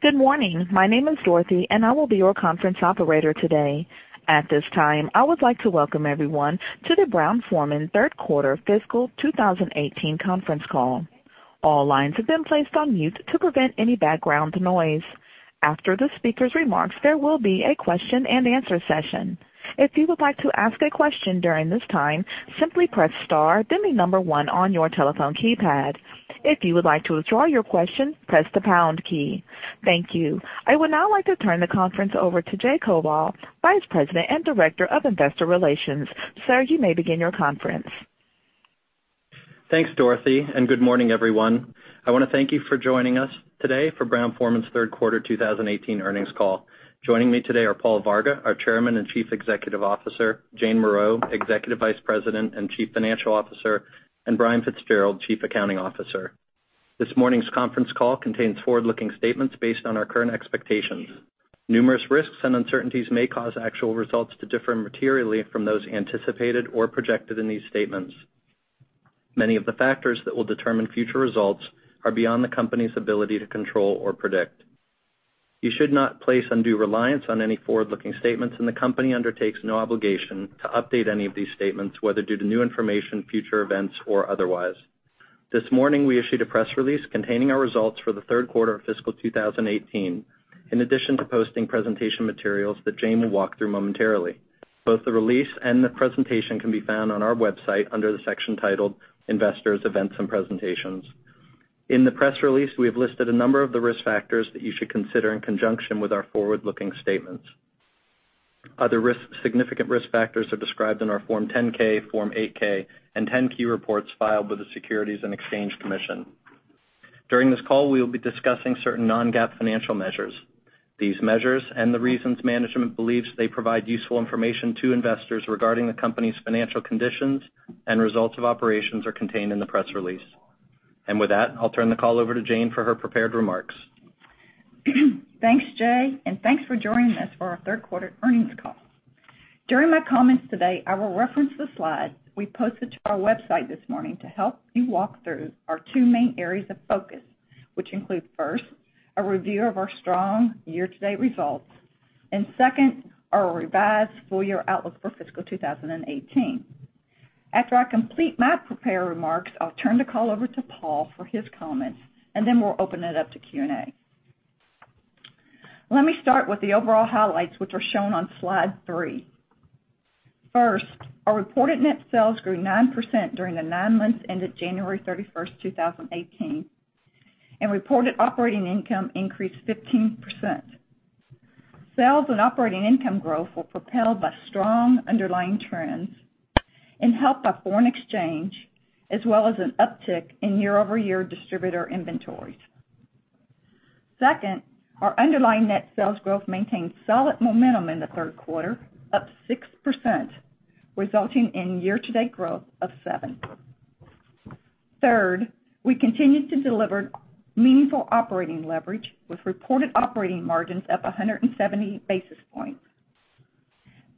Good morning. My name is Dorothy, and I will be your conference operator today. At this time, I would like to welcome everyone to the Brown-Forman third quarter fiscal 2018 conference call. All lines have been placed on mute to prevent any background noise. After the speaker's remarks, there will be a question and answer session. If you would like to ask a question during this time, simply press star, then the number 1 on your telephone keypad. If you would like to withdraw your question, press the pound key. Thank you. I would now like to turn the conference over to Jay Koval, Vice President and Director of Investor Relations. Sir, you may begin your conference. Thanks, Dorothy, good morning, everyone. I want to thank you for joining us today for Brown-Forman's third quarter 2018 earnings call. Joining me today are Paul Varga, our Chairman and Chief Executive Officer, Jane Morreau, Executive Vice President and Chief Financial Officer, Brian Fitzgerald, Chief Accounting Officer. This morning's conference call contains forward-looking statements based on our current expectations. Numerous risks and uncertainties may cause actual results to differ materially from those anticipated or projected in these statements. Many of the factors that will determine future results are beyond the company's ability to control or predict. You should not place undue reliance on any forward-looking statements. The company undertakes no obligation to update any of these statements, whether due to new information, future events, or otherwise. This morning, we issued a press release containing our results for the third quarter of fiscal 2018, in addition to posting presentation materials that Jane will walk through momentarily. Both the release and the presentation can be found on our website under the section titled Investors Events and Presentations. In the press release, we have listed a number of the risk factors that you should consider in conjunction with our forward-looking statements. Other significant risk factors are described in our Form 10-K, Form 8-K, 10-Q reports filed with the Securities and Exchange Commission. During this call, we will be discussing certain non-GAAP financial measures. These measures and the reasons management believes they provide useful information to investors regarding the company's financial conditions and results of operations are contained in the press release. With that, I'll turn the call over to Jane for her prepared remarks. Thanks, Jay, thanks for joining us for our third quarter earnings call. During my comments today, I will reference the slides we posted to our website this morning to help me walk through our two main areas of focus, which include, first, a review of our strong year-to-date results, second, our revised full-year outlook for fiscal 2018. After I complete my prepared remarks, I'll turn the call over to Paul for his comments. We'll open it up to Q&A. Let me start with the overall highlights, which are shown on slide three. First, our reported net sales grew 9% during the nine months ended January 31st, 2018. Reported operating income increased 15%. Sales and operating income growth were propelled by strong underlying trends and helped by foreign exchange as well as an uptick in year-over-year distributor inventories. Second, our underlying net sales growth maintained solid momentum in the third quarter, up 6%, resulting in year-to-date growth of 7%. Third, we continued to deliver meaningful operating leverage with reported operating margins up 170 basis points.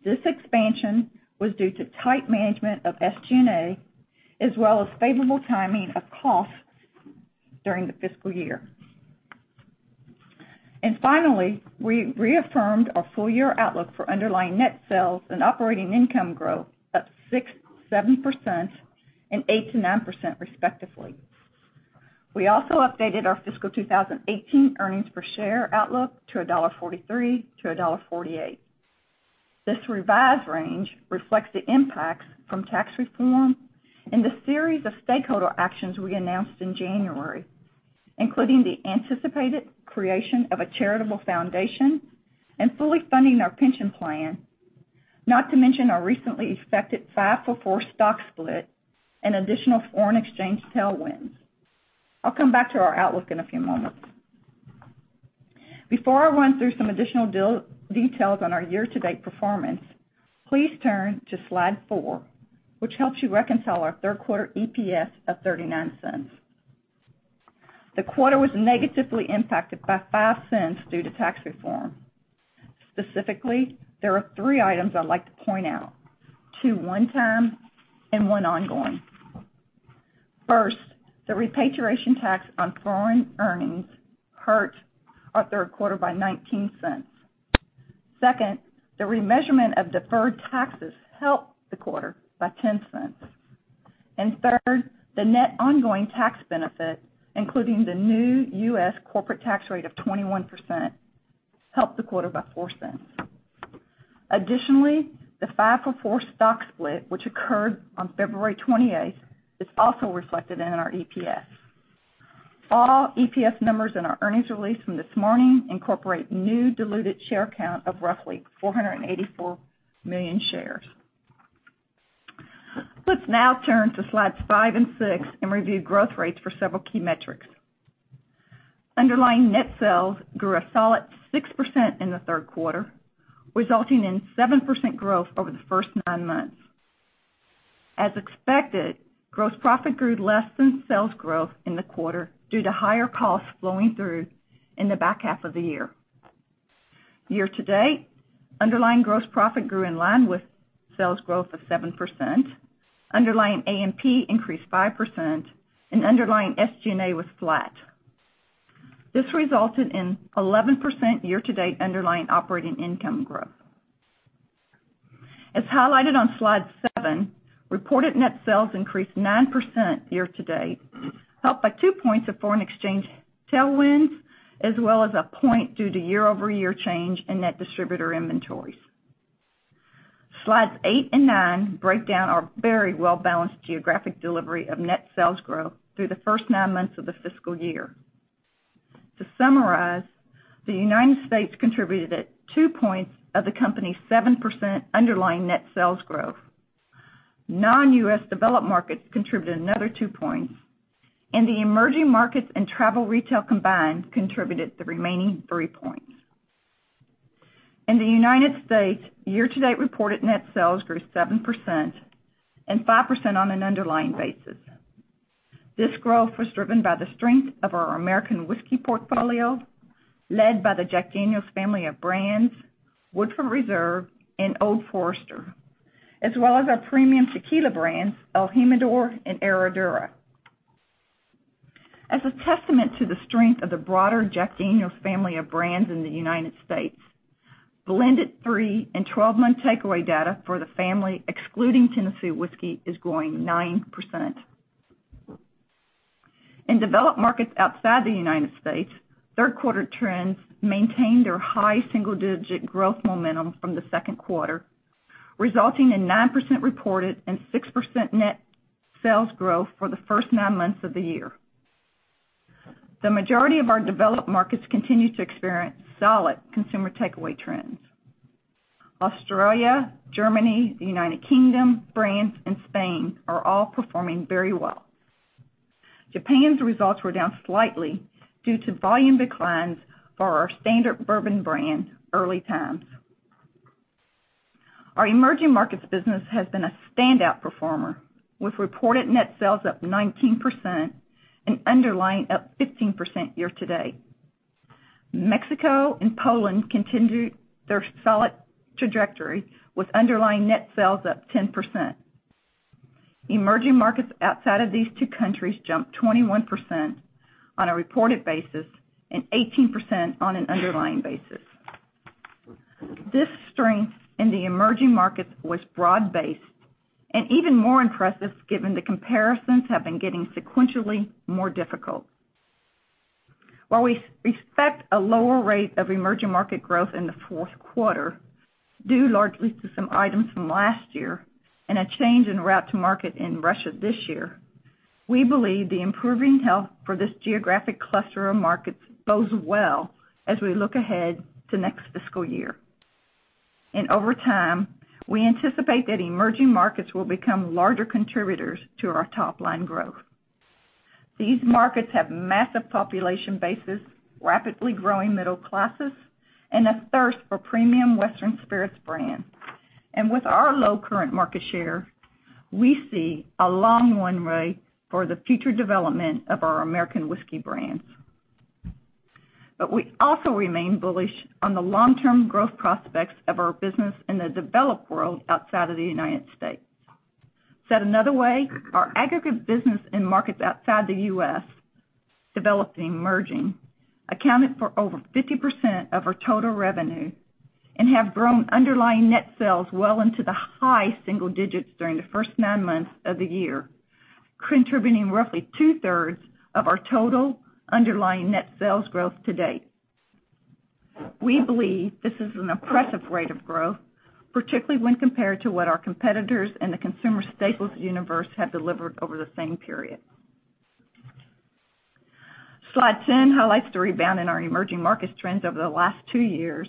This expansion was due to tight management of SG&A as well as favorable timing of costs during the fiscal year. Finally, we reaffirmed our full-year outlook for underlying net sales and operating income growth up 6%-7% and 8%-9%, respectively. We also updated our fiscal 2018 earnings per share outlook to $1.43-$1.48. This revised range reflects the impacts from tax reform and the series of stakeholder actions we announced in January, including the anticipated creation of a charitable foundation and fully funding our pension plan, not to mention our recently expected five-for-four stock split and additional foreign exchange tailwinds. I'll come back to our outlook in a few moments. Before I run through some additional details on our year-to-date performance, please turn to slide four, which helps you reconcile our third quarter EPS of $0.39. The quarter was negatively impacted by $0.05 due to tax reform. Specifically, there are three items I'd like to point out, two one-time and one ongoing. First, the repatriation tax on foreign earnings hurt our third quarter by $0.19. Second, the remeasurement of deferred taxes helped the quarter by $0.10. Third, the net ongoing tax benefit, including the new U.S. corporate tax rate of 21%, helped the quarter by $0.04. Additionally, the five-for-four stock split, which occurred on February 28th, is also reflected in our EPS. All EPS numbers in our earnings release from this morning incorporate new diluted share count of roughly 484 million shares. Let's now turn to slides five and six and review growth rates for several key metrics. Underlying net sales grew a solid 6% in the third quarter, resulting in 7% growth over the first nine months. As expected, gross profit grew less than sales growth in the quarter due to higher costs flowing through in the back half of the year. Year-to-date, underlying gross profit grew in line with sales growth of 7%. Underlying A&P increased 5%, and underlying SG&A was flat. This resulted in 11% year-to-date underlying operating income growth. As highlighted on Slide 7, reported net sales increased 9% year-to-date, helped by two points of foreign exchange tailwinds, as well as a point due to year-over-year change in net distributor inventories. Slides 8 and 9 break down our very well-balanced geographic delivery of net sales growth through the first nine months of the fiscal year. To summarize, the United States contributed at two points of the company's 7% underlying net sales growth. Non-U.S. developed markets contributed another two points, and the emerging markets and travel retail combined contributed the remaining three points. In the United States, year-to-date reported net sales grew 7% and 5% on an underlying basis. This growth was driven by the strength of our American whiskey portfolio, led by the Jack Daniel's family of brands, Woodford Reserve, and Old Forester, as well as our premium tequila brands, el Jimador and Herradura. As a testament to the strength of the broader Jack Daniel's family of brands in the United States, blended three and 12-month takeaway data for the family, excluding Tennessee Whiskey, is growing 9%. In developed markets outside the U.S., third quarter trends maintained their high single-digit growth momentum from the second quarter, resulting in 9% reported and 6% net sales growth for the first nine months of the year. The majority of our developed markets continue to experience solid consumer takeaway trends. Australia, Germany, the U.K., France, and Spain are all performing very well. Japan's results were down slightly due to volume declines for our standard bourbon brand, Early Times. Our emerging markets business has been a standout performer, with reported net sales up 19% and underlying up 15% year-to-date. Mexico and Poland continued their solid trajectory with underlying net sales up 10%. Emerging markets outside of these two countries jumped 21% on a reported basis and 18% on an underlying basis. This strength in the emerging markets was broad-based and even more impressive given the comparisons have been getting sequentially more difficult. While we expect a lower rate of emerging market growth in the fourth quarter, due largely to some items from last year and a change in route to market in Russia this year, we believe the improving health for this geographic cluster of markets bodes well as we look ahead to next fiscal year. Over time, we anticipate that emerging markets will become larger contributors to our top-line growth. These markets have massive population bases, rapidly growing middle classes, and a thirst for premium Western spirits brands. With our low current market share, we see a long runway for the future development of our American whiskey brands. We also remain bullish on the long-term growth prospects of our business in the developed world outside of the U.S. Said another way, our aggregate business in markets outside the U.S., developed and emerging, accounted for over 50% of our total revenue and have grown underlying net sales well into the high single digits during the first nine months of the year, contributing roughly two-thirds of our total underlying net sales growth to date. We believe this is an impressive rate of growth, particularly when compared to what our competitors in the consumer staples universe have delivered over the same period. Slide 10 highlights the rebound in our emerging market trends over the last two years.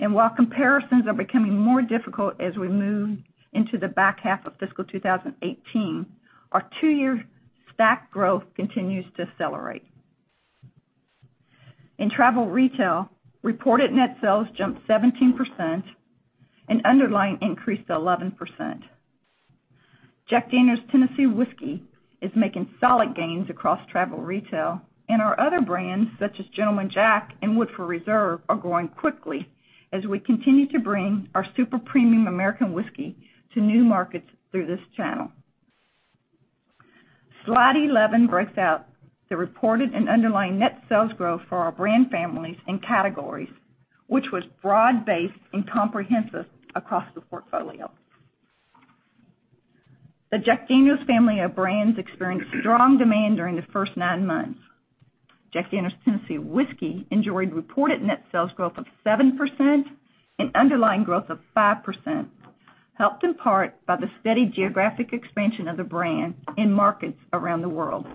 While comparisons are becoming more difficult as we move into the back half of fiscal 2018, our two-year stack growth continues to accelerate. In travel retail, reported net sales jumped 17% and underlying increased 11%. Jack Daniel's Tennessee Whiskey is making solid gains across travel retail, and our other brands, such as Gentleman Jack and Woodford Reserve, are growing quickly as we continue to bring our super premium American whiskey to new markets through this channel. Slide 11 breaks out the reported and underlying net sales growth for our brand families and categories, which was broad-based and comprehensive across the portfolio. The Jack Daniel's family of brands experienced strong demand during the first nine months. Jack Daniel's Tennessee Whiskey enjoyed reported net sales growth of 7% and underlying growth of 5%, helped in part by the steady geographic expansion of the brand in markets around the world.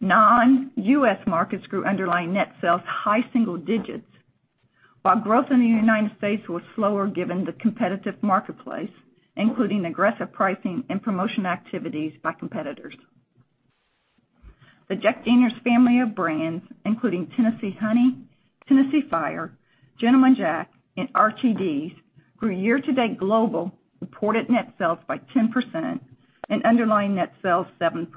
Non-U.S. markets grew underlying net sales high single digits, while growth in the U.S. was slower given the competitive marketplace, including aggressive pricing and promotion activities by competitors. The Jack Daniel's family of brands, including Tennessee Honey, Tennessee Fire, Gentleman Jack, and RTDs, grew year-to-date global reported net sales by 10% and underlying net sales 7%.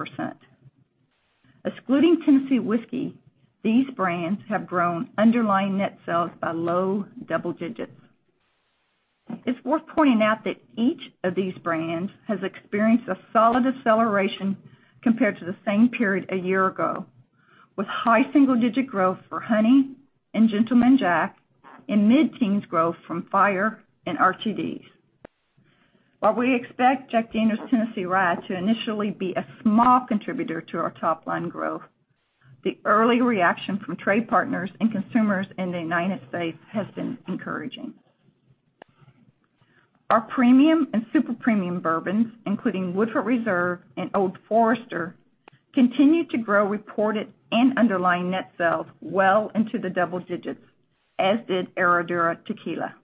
Excluding Tennessee Whiskey, these brands have grown underlying net sales by low double digits. It's worth pointing out that each of these brands has experienced a solid acceleration compared to the same period a year ago, with high single-digit growth for Honey and Gentleman Jack and mid-teens growth from Fire and RTDs. While we expect Jack Daniel's Tennessee Rye to initially be a small contributor to our top-line growth, the early reaction from trade partners and consumers in the U.S. has been encouraging. Our premium and super premium bourbons, including Woodford Reserve and Old Forester, continued to grow reported and underlying net sales well into the double digits, as did Tequila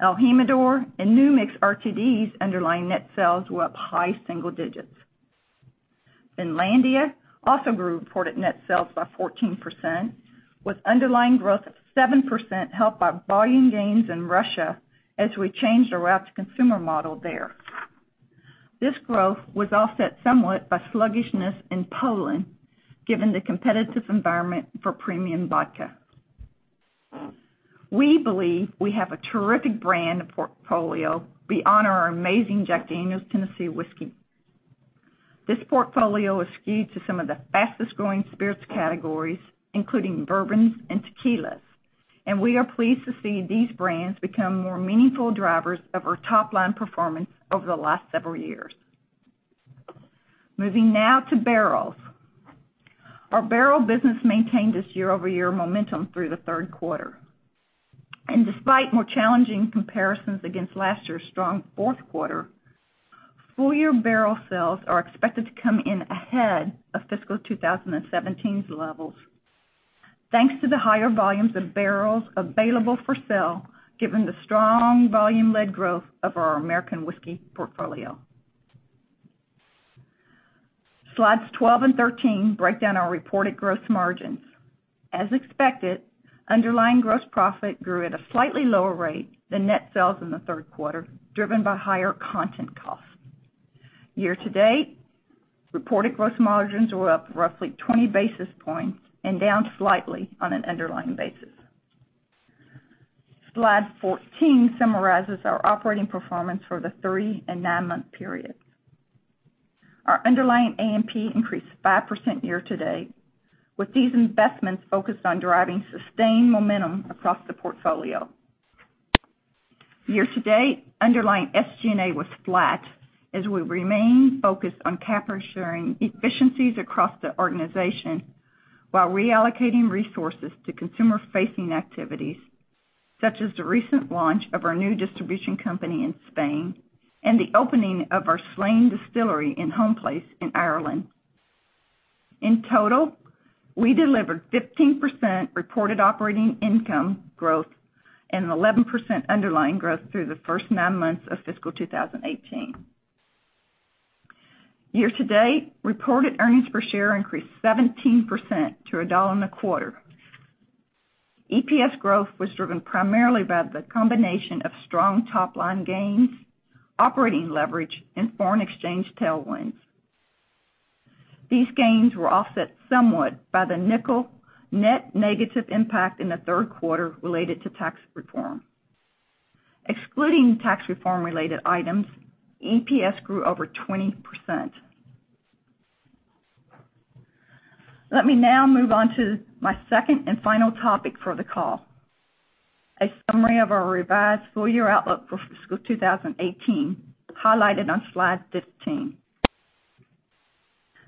Herradura. el Jimador and New Mix RTDs underlying net sales were up high single digits. Finlandia also grew reported net sales by 14%, with underlying growth of 7% helped by volume gains in Russia as we changed our route to consumer model there. This growth was offset somewhat by sluggishness in Poland, given the competitive environment for premium vodka. We believe we have a terrific brand portfolio beyond our amazing Jack Daniel's Tennessee Whiskey. This portfolio is skewed to some of the fastest-growing spirits categories, including bourbons and tequilas, and we are pleased to see these brands become more meaningful drivers of our top-line performance over the last several years. Moving now to barrels. Our barrel business maintained its year-over-year momentum through the third quarter. Despite more challenging comparisons against last year's strong fourth quarter, full-year barrel sales are expected to come in ahead of fiscal 2017's levels, thanks to the higher volumes of barrels available for sale, given the strong volume-led growth of our American whiskey portfolio. Slides 12 and 13 break down our reported gross margins. As expected, underlying gross profit grew at a slightly lower rate than net sales in the third quarter, driven by higher content costs. Year-to-date, reported gross margins were up roughly 20 basis points and down slightly on an underlying basis. Slide 14 summarizes our operating performance for the three- and nine-month periods. Our underlying A&P increased 5% year-to-date, with these investments focused on driving sustained momentum across the portfolio. Year-to-date, underlying SG&A was flat as we remain focused on capturing efficiencies across the organization while reallocating resources to consumer-facing activities, such as the recent launch of our new distribution company in Spain and the opening of our Slane distillery in homeplace in Ireland. In total, we delivered 15% reported operating income growth and 11% underlying growth through the first nine months of fiscal 2018. Year-to-date, reported earnings per share increased 17% to $1.25. EPS growth was driven primarily by the combination of strong top-line gains, operating leverage, and foreign exchange tailwinds. These gains were offset somewhat by the $0.05 net negative impact in the third quarter related to tax reform. Excluding tax reform-related items, EPS grew over 20%. Let me now move on to my second and final topic for the call, a summary of our revised full-year outlook for fiscal 2018, highlighted on slide 15.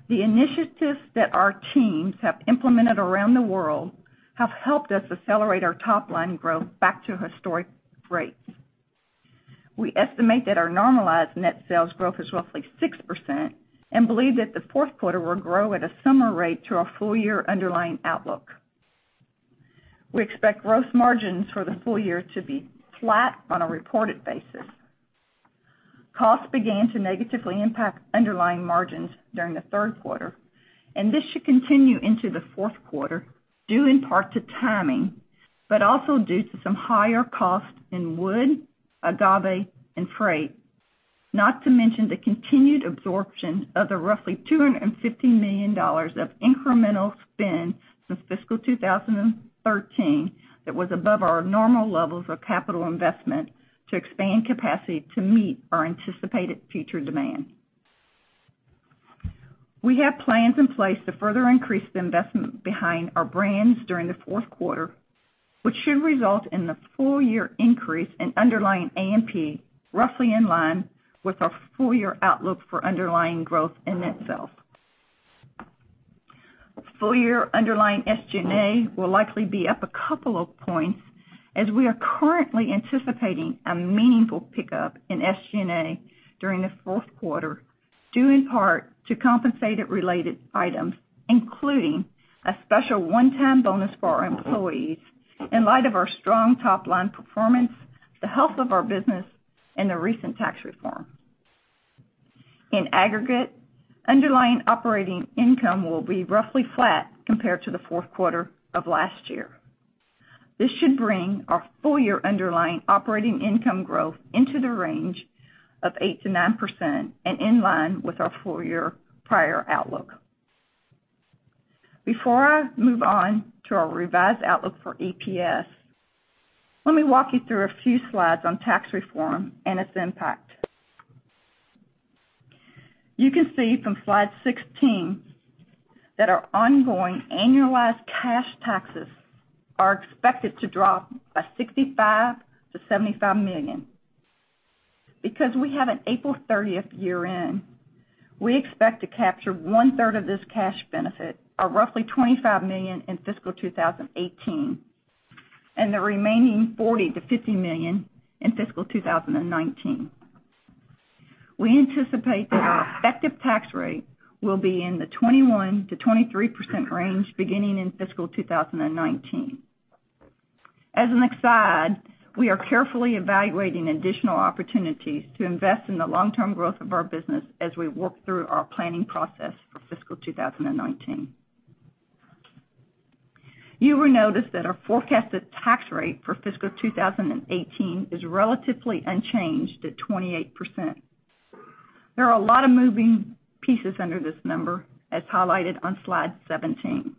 The initiatives that our teams have implemented around the world have helped us accelerate our top-line growth back to historic rates. We estimate that our normalized net sales growth is roughly 6% and believe that the fourth quarter will grow at a similar rate to our full-year underlying outlook. We expect gross margins for the full year to be flat on a reported basis. Costs began to negatively impact underlying margins during the third quarter, and this should continue into the fourth quarter, due in part to timing, but also due to some higher costs in wood, agave, and freight. Not to mention the continued absorption of the roughly $250 million of incremental spend since fiscal 2013 that was above our normal levels of capital investment to expand capacity to meet our anticipated future demand. We have plans in place to further increase the investment behind our brands during the fourth quarter, which should result in a full-year increase in underlying A&P, roughly in line with our full-year outlook for underlying growth in net sales. Full-year underlying SG&A will likely be up a couple of points, as we are currently anticipating a meaningful pickup in SG&A during the fourth quarter, due in part to compensated related items, including a special one-time bonus for our employees in light of our strong top-line performance, the health of our business, and the recent tax reform. In aggregate, underlying operating income will be roughly flat compared to the fourth quarter of last year. This should bring our full-year underlying operating income growth into the range of 8%-9% and in line with our full-year prior outlook. Before I move on to our revised outlook for EPS, let me walk you through a few slides on tax reform and its impact. You can see from slide 16 that our ongoing annualized cash taxes are expected to drop by $65 million-$75 million. Because we have an April 30th year-end, we expect to capture one-third of this cash benefit, or roughly $25 million in fiscal 2018, and the remaining $40 million-$50 million in fiscal 2019. We anticipate that our effective tax rate will be in the 21%-23% range beginning in fiscal 2019. As the next slide, we are carefully evaluating additional opportunities to invest in the long-term growth of our business as we work through our planning process for fiscal 2019. You will notice that our forecasted tax rate for fiscal 2018 is relatively unchanged at 28%. There are a lot of moving pieces under this number as highlighted on slide 17.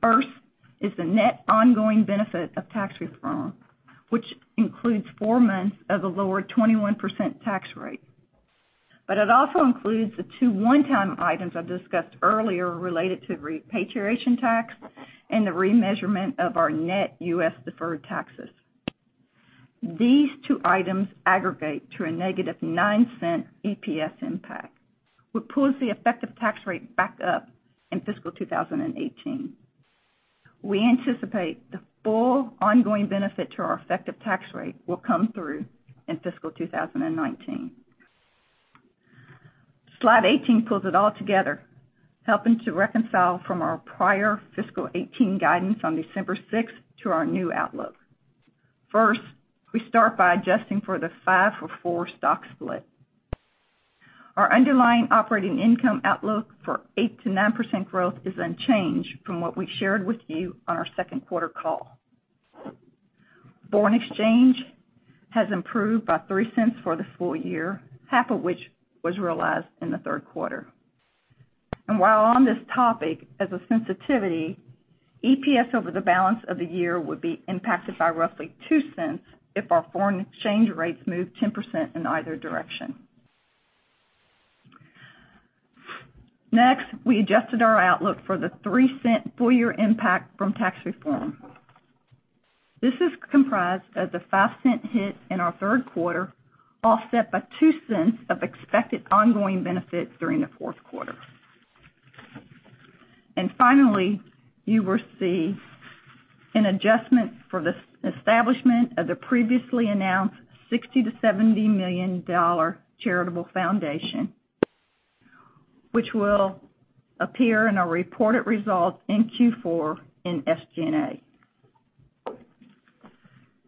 First is the net ongoing benefit of tax reform, which includes four months of a lower 21% tax rate. It also includes the two one-time items I've discussed earlier related to repatriation tax and the remeasurement of our net U.S. deferred taxes. These two items aggregate to a negative $0.09 EPS impact, which pulls the effective tax rate back up in fiscal 2018. We anticipate the full ongoing benefit to our effective tax rate will come through in fiscal 2019. Slide 18 pulls it all together, helping to reconcile from our prior fiscal 2018 guidance on December 6th to our new outlook. First, we start by adjusting for the five-for-four stock split. Our underlying operating income outlook for 8%-9% growth is unchanged from what we shared with you on our second quarter call. Foreign exchange has improved by $0.03 for the full year, half of which was realized in the third quarter. While on this topic, as a sensitivity, EPS over the balance of the year would be impacted by roughly $0.02 if our foreign exchange rates move 10% in either direction. We adjusted our outlook for the $0.03 full-year impact from tax reform. This is comprised of the $0.05 hit in our third quarter, offset by $0.02 of expected ongoing benefits during the fourth quarter. Finally, you will see an adjustment for the establishment of the previously announced $60 million-$70 million charitable foundation, which will appear in our reported results in Q4 in SG&A.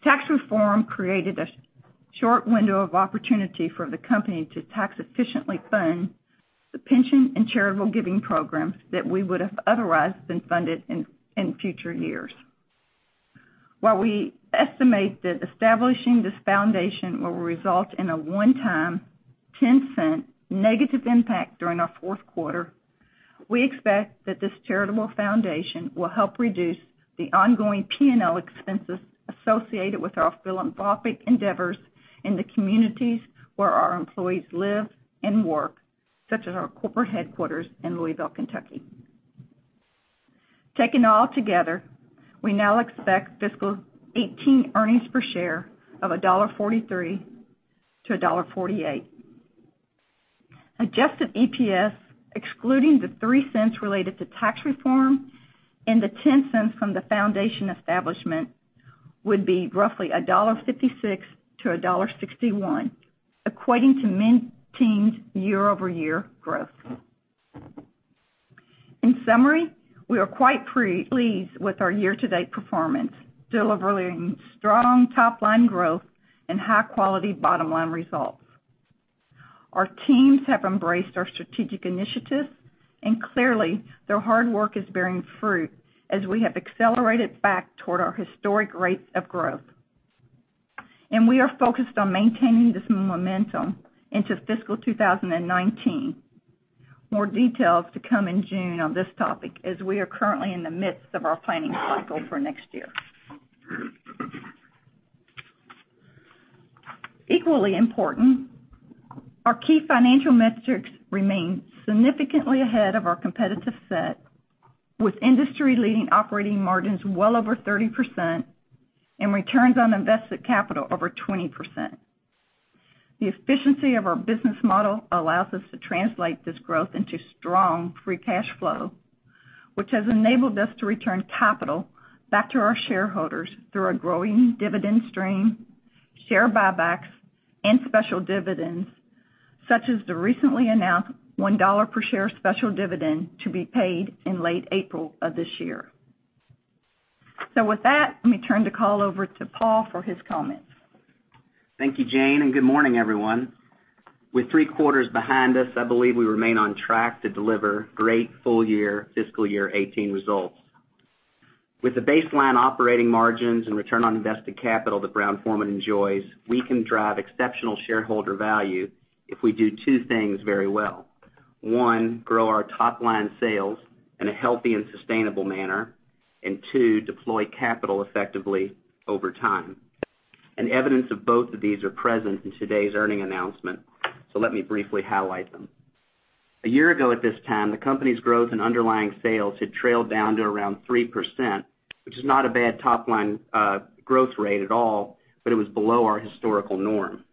Tax reform created a short window of opportunity for the company to tax efficiently fund the pension and charitable giving programs that we would have otherwise been funded in future years. While we estimate that establishing this foundation will result in a one-time $0.10 negative impact during our fourth quarter, we expect that this charitable foundation will help reduce the ongoing P&L expenses associated with our philanthropic endeavors in the communities where our employees live and work, such as our corporate headquarters in Louisville, Kentucky. Taken all together, we now expect fiscal 2018 earnings per share of $1.43-$1.48. Adjusted EPS, excluding the $0.03 related to tax reform and the $0.10 from the foundation establishment, would be roughly $1.56-$1.61, equating to mid-teens year-over-year growth. Summary, we are quite pleased with our year-to-date performance, delivering strong top-line growth and high-quality bottom-line results. Our teams have embraced our strategic initiatives. Clearly their hard work is bearing fruit as we have accelerated back toward our historic rates of growth. We are focused on maintaining this momentum into fiscal 2019. More details to come in June on this topic as we are currently in the midst of our planning cycle for next year. Equally important, our key financial metrics remain significantly ahead of our competitive set, with industry-leading operating margins well over 30% and returns on invested capital over 20%. The efficiency of our business model allows us to translate this growth into strong free cash flow, which has enabled us to return capital back to our shareholders through our growing dividend stream, share buybacks, and special dividends, such as the recently announced $1 per share special dividend to be paid in late April of this year. With that, let me turn the call over to Paul for his comments. Thank you, Jane, and good morning, everyone. With three quarters behind us, I believe we remain on track to deliver great full year fiscal year 2018 results. With the baseline operating margins and return on invested capital that Brown-Forman enjoys, we can drive exceptional shareholder value if we do two things very well. One, grow our top-line sales in a healthy and sustainable manner. Two, deploy capital effectively over time. Evidence of both of these are present in today's earnings announcement, so let me briefly highlight them. A year ago, at this time, the company's growth in underlying sales had trailed down to around 3%, which is not a bad top-line growth rate at all, but it was below our historical norm.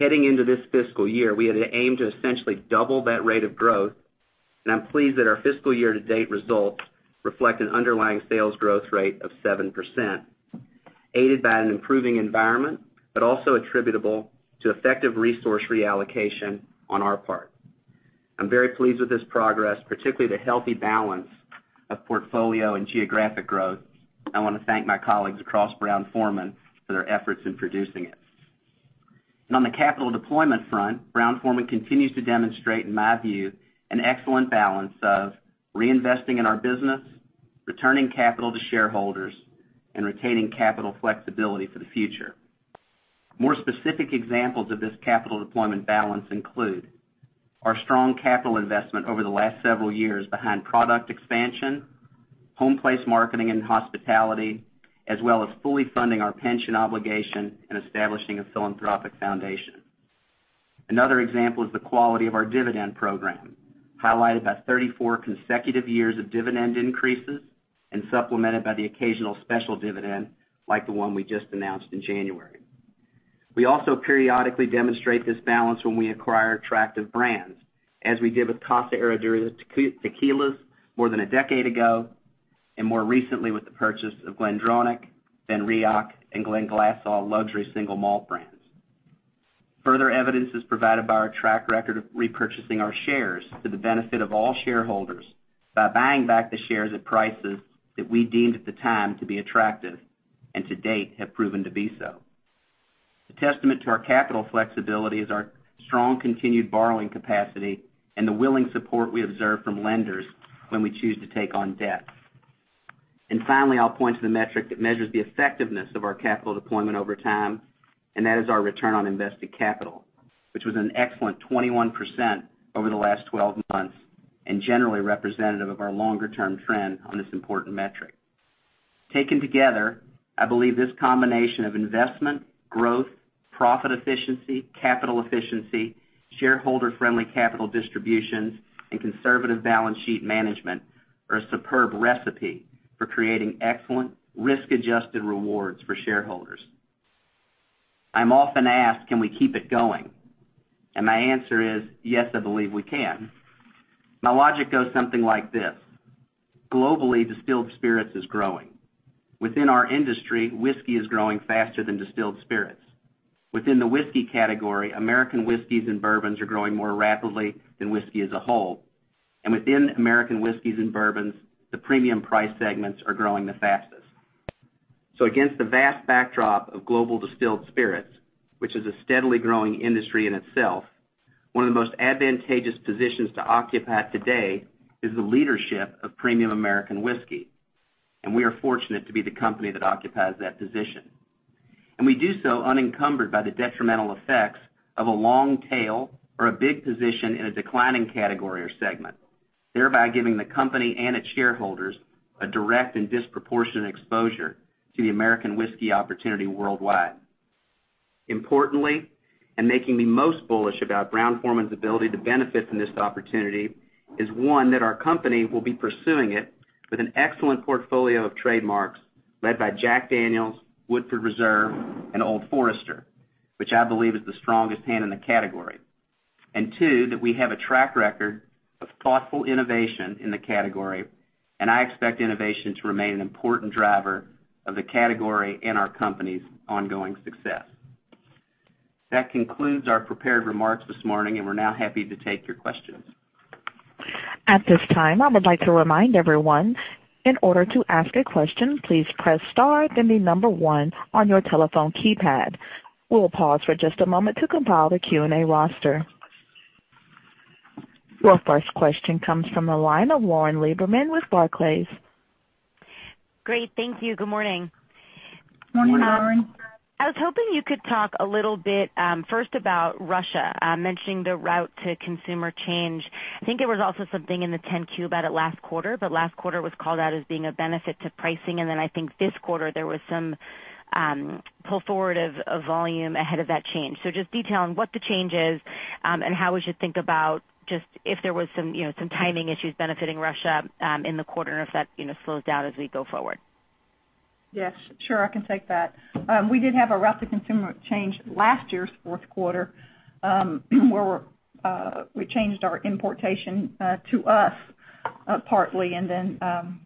Heading into this fiscal year, we had to aim to essentially double that rate of growth, and I'm pleased that our fiscal year to date results reflect an underlying sales growth rate of 7%, aided by an improving environment, but also attributable to effective resource reallocation on our part. I'm very pleased with this progress, particularly the healthy balance of portfolio and geographic growth. I want to thank my colleagues across Brown-Forman for their efforts in producing it. On the capital deployment front, Brown-Forman continues to demonstrate, in my view, an excellent balance of reinvesting in our business, returning capital to shareholders, and retaining capital flexibility for the future. More specific examples of this capital deployment balance include our strong capital investment over the last several years behind product expansion, home place marketing, and hospitality, as well as fully funding our pension obligation and establishing a philanthropic foundation. Another example is the quality of our dividend program, highlighted by 34 consecutive years of dividend increases and supplemented by the occasional special dividend, like the one we just announced in January. We also periodically demonstrate this balance when we acquire attractive brands, as we did with Casa Herradura Tequilas more than a decade ago, and more recently with the purchase of GlenDronach, BenRiach, and Glenglassaugh luxury single malt brands. Further evidence is provided by our track record of repurchasing our shares to the benefit of all shareholders by buying back the shares at prices that we deemed at the time to be attractive, and to date, have proven to be so. A testament to our capital flexibility is our strong continued borrowing capacity and the willing support we observe from lenders when we choose to take on debt. Finally, I'll point to the metric that measures the effectiveness of our capital deployment over time, and that is our return on invested capital, which was an excellent 21% over the last 12 months and generally representative of our longer-term trend on this important metric. Taken together, I believe this combination of investment, growth, profit efficiency, capital efficiency, shareholder-friendly capital distributions, and conservative balance sheet management are a superb recipe for creating excellent risk-adjusted rewards for shareholders. I'm often asked, "Can we keep it going?" My answer is, "Yes, I believe we can." My logic goes something like this: globally, distilled spirits is growing. Within our industry, whiskey is growing faster than distilled spirits. Within the whiskey category, American whiskeys and bourbons are growing more rapidly than whiskey as a whole. Within American whiskeys and bourbons, the premium price segments are growing the fastest. Against the vast backdrop of global distilled spirits, which is a steadily growing industry in itself, one of the most advantageous positions to occupy today is the leadership of premium American whiskey, and we are fortunate to be the company that occupies that position. We do so unencumbered by the detrimental effects of a long tail or a big position in a declining category or segment, thereby giving the company and its shareholders a direct and disproportionate exposure to the American whiskey opportunity worldwide. Importantly, and making me most bullish about Brown-Forman's ability to benefit from this opportunity is, one, that our company will be pursuing it with an excellent portfolio of trademarks led by Jack Daniel's, Woodford Reserve, and Old Forester, which I believe is the strongest hand in the category. Two, that we have a track record of thoughtful innovation in the category. I expect innovation to remain an important driver of the category and our company's ongoing success. That concludes our prepared remarks this morning. We're now happy to take your questions. At this time, I would like to remind everyone, in order to ask a question, please press star, then the number 1 on your telephone keypad. We will pause for just a moment to compile the Q&A roster. Your first question comes from the line of Lauren Lieberman with Barclays. Great. Thank you. Good morning. Morning, Lauren. I was hoping you could talk a little bit, first about Russia, mentioning the route to consumer change. I think there was also something in the 10-Q about it last quarter, but last quarter was called out as being a benefit to pricing. I think this quarter there was some pull forward of volume ahead of that change. Just detail on what the change is, and how we should think about just if there was some timing issues benefiting Russia in the quarter and if that slows down as we go forward. Yes. Sure, I can take that. We did have a route to consumer change last year's fourth quarter, where we changed our importation to us partly, and then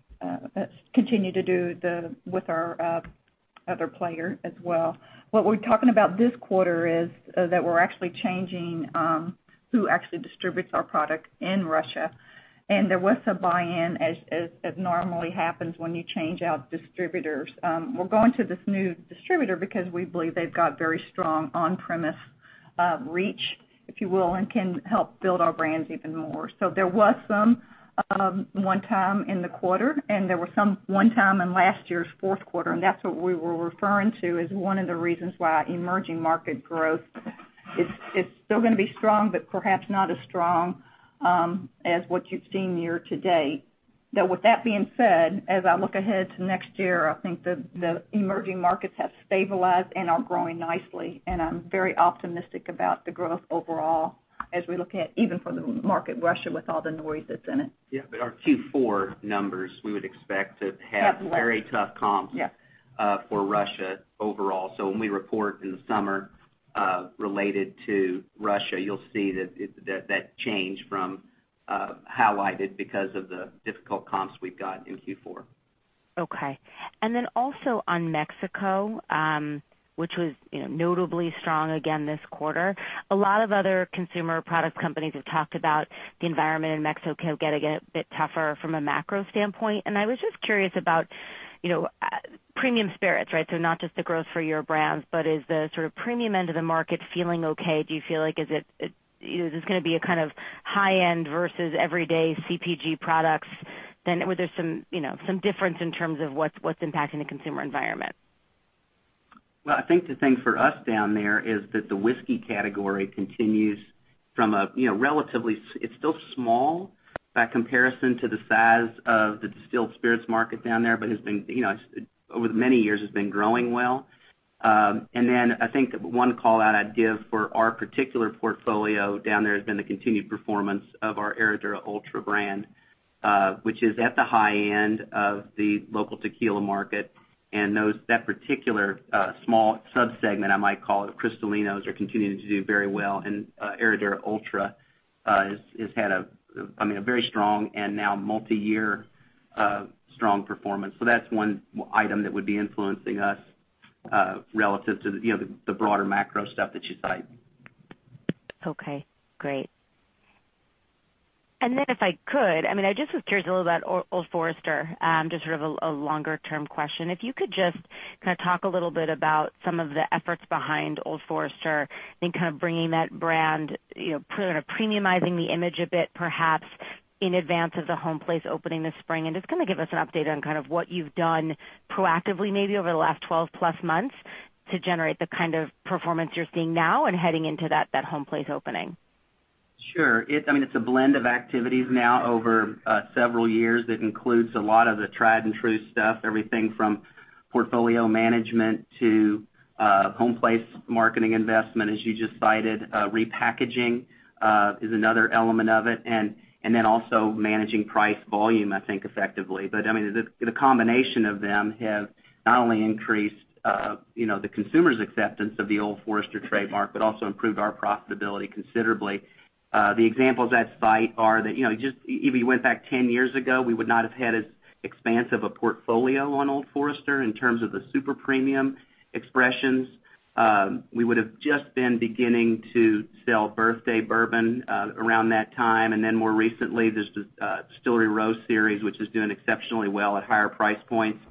continued to do with our other player as well. What we're talking about this quarter is that we're actually changing who actually distributes our product in Russia. There was a buy-in as normally happens when you change out distributors. We're going to this new distributor because we believe they've got very strong on-premise reach If you will, and can help build our brands even more. There was some one time in the quarter, and there was some one time in last year's fourth quarter, and that's what we were referring to as one of the reasons why emerging market growth is still going to be strong, but perhaps not as strong as what you've seen year-to-date. With that being said, as I look ahead to next year, I think the emerging markets have stabilized and are growing nicely, and I'm very optimistic about the growth overall as we look ahead, even for the market Russia, with all the noise that's in it. Yeah. Our Q4 numbers, we would expect to have. Have less. very tough comps. Yeah for Russia overall. When we report in the summer, related to Russia, you'll see that change from highlighted because of the difficult comps we've got in Q4. Okay. Also on Mexico, which was notably strong again this quarter. A lot of other consumer product companies have talked about the environment in Mexico getting a bit tougher from a macro standpoint. I was just curious about premium spirits, right? Not just the growth for your brands, but is the sort of premium end of the market feeling okay? Do you feel like it is going to be a kind of high-end versus everyday CPG products? Well, there's some difference in terms of what's impacting the consumer environment. Well, I think the thing for us down there is that the whiskey category continues. It's still small by comparison to the size of the distilled spirits market down there, but over the many years has been growing well. I think one call-out I'd give for our particular portfolio down there has been the continued performance of our Herradura Ultra brand, which is at the high end of the local tequila market. That particular small sub-segment, I might call it, Cristalinos, are continuing to do very well. Herradura Ultra has had a very strong and now multi-year strong performance. That's one item that would be influencing us, relative to the broader macro stuff that you cite. Okay, great. If I could, I mean, I just was curious a little about Old Forester, just sort of a longer-term question. If you could just kind of talk a little bit about some of the efforts behind Old Forester and kind of bringing that brand, kind of premiumizing the image a bit, perhaps in advance of the home place opening this spring. Just kind of give us an update on what you've done proactively, maybe over the last 12+ months to generate the kind of performance you're seeing now and heading into that home place opening. Sure. It's a blend of activities now over several years that includes a lot of the tried and true stuff. Everything from portfolio management to home place marketing investment, as you just cited. Repackaging is another element of it. Also managing price volume, I think effectively. I mean, the combination of them have not only increased the consumer's acceptance of the Old Forester trademark, but also improved our profitability considerably. The examples I'd cite are that, if you went back 10 years ago, we would not have had as expansive a portfolio on Old Forester in terms of the super premium expressions. We would've just been beginning to sell Birthday Bourbon around that time. More recently, there's the Distillery Series, which is doing exceptionally well at higher price points.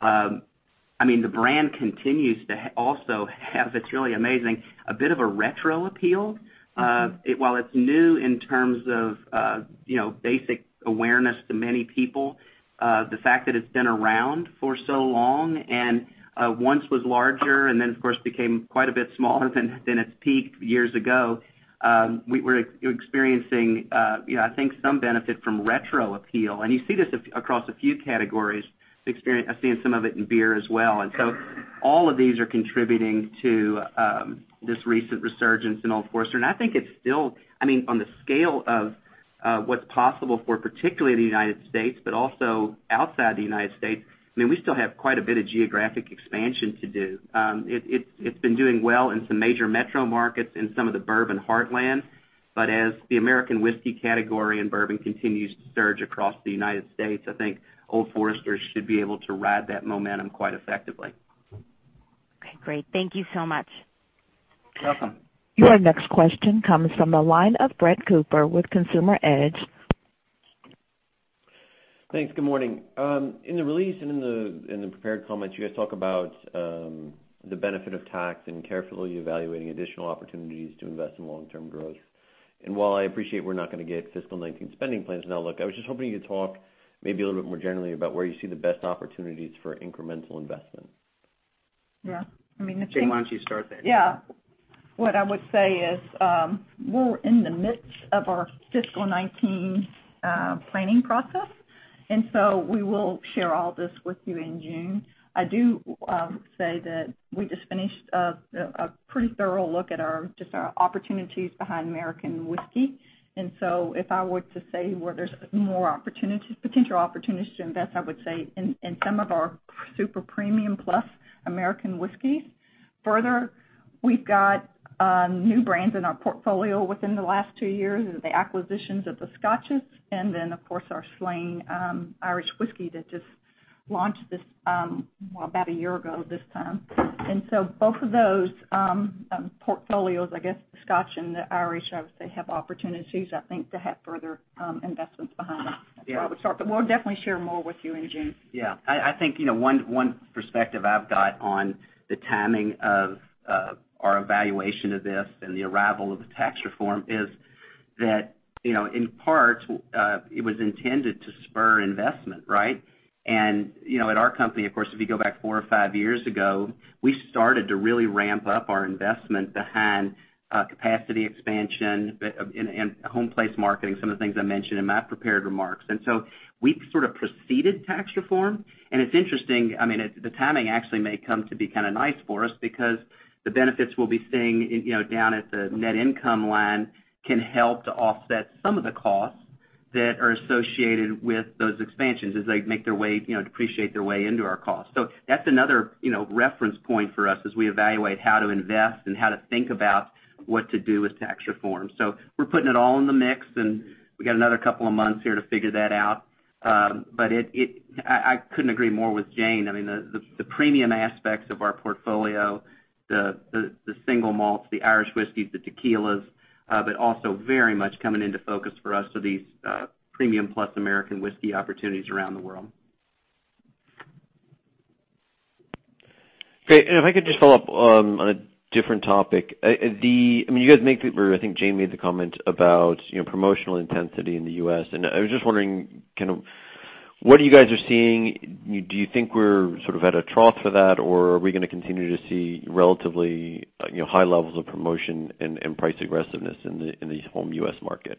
The brand continues to also have, it's really amazing, a bit of a retro appeal. While it's new in terms of basic awareness to many people, the fact that it's been around for so long and once was larger then of course became quite a bit smaller than its peak years ago, we're experiencing I think some benefit from retro appeal. You see this across a few categories. I've seen some of it in beer as well. All of these are contributing to this recent resurgence in Old Forester. I think it's still On the scale of what's possible for, particularly the U.S., but also outside the U.S., we still have quite a bit of geographic expansion to do. It's been doing well in some major metro markets in some of the bourbon heartland. As the American whiskey category and bourbon continues to surge across the U.S., I think Old Forester should be able to ride that momentum quite effectively. Okay, great. Thank you so much. Welcome. Your next question comes from the line of Brett Cooper with Consumer Edge. Thanks. Good morning. In the release and in the prepared comments, you guys talk about the benefit of tax and carefully evaluating additional opportunities to invest in long-term growth. While I appreciate we're not going to get fiscal 2019 spending plans now, look, I was just hoping you could talk maybe a little bit more generally about where you see the best opportunities for incremental investment. Yeah. I mean, Jane, why don't you start that? Yeah. What I would say is, we're in the midst of our fiscal 2019 planning process, so we will share all this with you in June. I do say that we just finished a pretty thorough look at just our opportunities behind American whiskey. If I were to say where there's more potential opportunities to invest, I would say in some of our super premium plus American whiskeys. Further, we've got new brands in our portfolio within the last two years, the acquisitions of the Scotches, then of course our Slane Irish whiskey that just launched this about a year ago this time. So both of those portfolios, I guess, the Scotch and the Irish, I would say, have opportunities, I think, to have further investments behind them. Yeah. That's where I would start. We'll definitely share more with you in June. Yeah. I think one perspective I've got on the timing of our evaluation of this and the arrival of the tax reform is that, in part, it was intended to spur investment, right? At our company, of course, if you go back four or five years ago, we started to really ramp up our investment behind capacity expansion and home place marketing, some of the things I mentioned in my prepared remarks. We sort of preceded tax reform, and it's interesting. The timing actually may come to be kind of nice for us because the benefits we'll be seeing down at the net income line can help to offset some of the costs that are associated with those expansions as they make their way, depreciate their way into our costs. That's another reference point for us as we evaluate how to invest and how to think about what to do with tax reform. We're putting it all in the mix, and we got another couple of months here to figure that out. I couldn't agree more with Jane. The premium aspects of our portfolio, the single malts, the Irish whiskeys, the tequilas, also very much coming into focus for us are these premium plus American whiskey opportunities around the world. Great. If I could just follow up on a different topic. I think Jane made the comment about promotional intensity in the U.S., I was just wondering, what you guys are seeing, do you think we're sort of at a trough for that, or are we going to continue to see relatively high levels of promotion and price aggressiveness in the home U.S. market?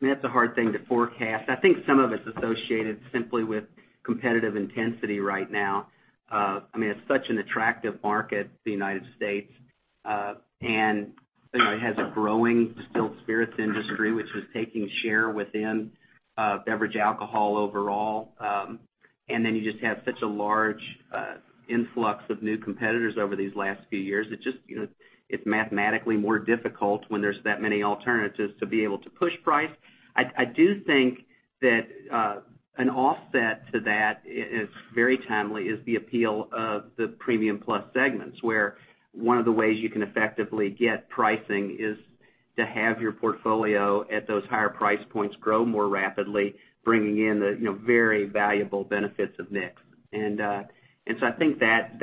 That's a hard thing to forecast. I think some of it's associated simply with competitive intensity right now. It's such an attractive market, the United States, and it has a growing distilled spirits industry, which is taking share within beverage alcohol overall. You just have such a large influx of new competitors over these last few years. It's mathematically more difficult when there's that many alternatives to be able to push price. I do think that an offset to that is very timely is the appeal of the premium plus segments, where one of the ways you can effectively get pricing is to have your portfolio at those higher price points grow more rapidly, bringing in the very valuable benefits of mix. I think that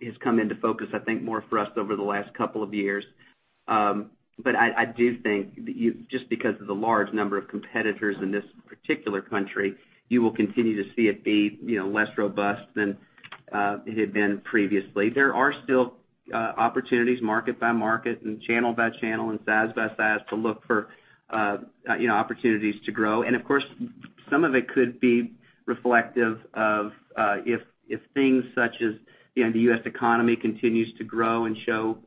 has come into focus, I think, more for us over the last couple of years. I do think that just because of the large number of competitors in this particular country, you will continue to see it be less robust than it had been previously. There are still opportunities market by market and channel by channel and size by size to look for opportunities to grow. Of course, some of it could be reflective of if things such as the U.S. economy continues to grow and show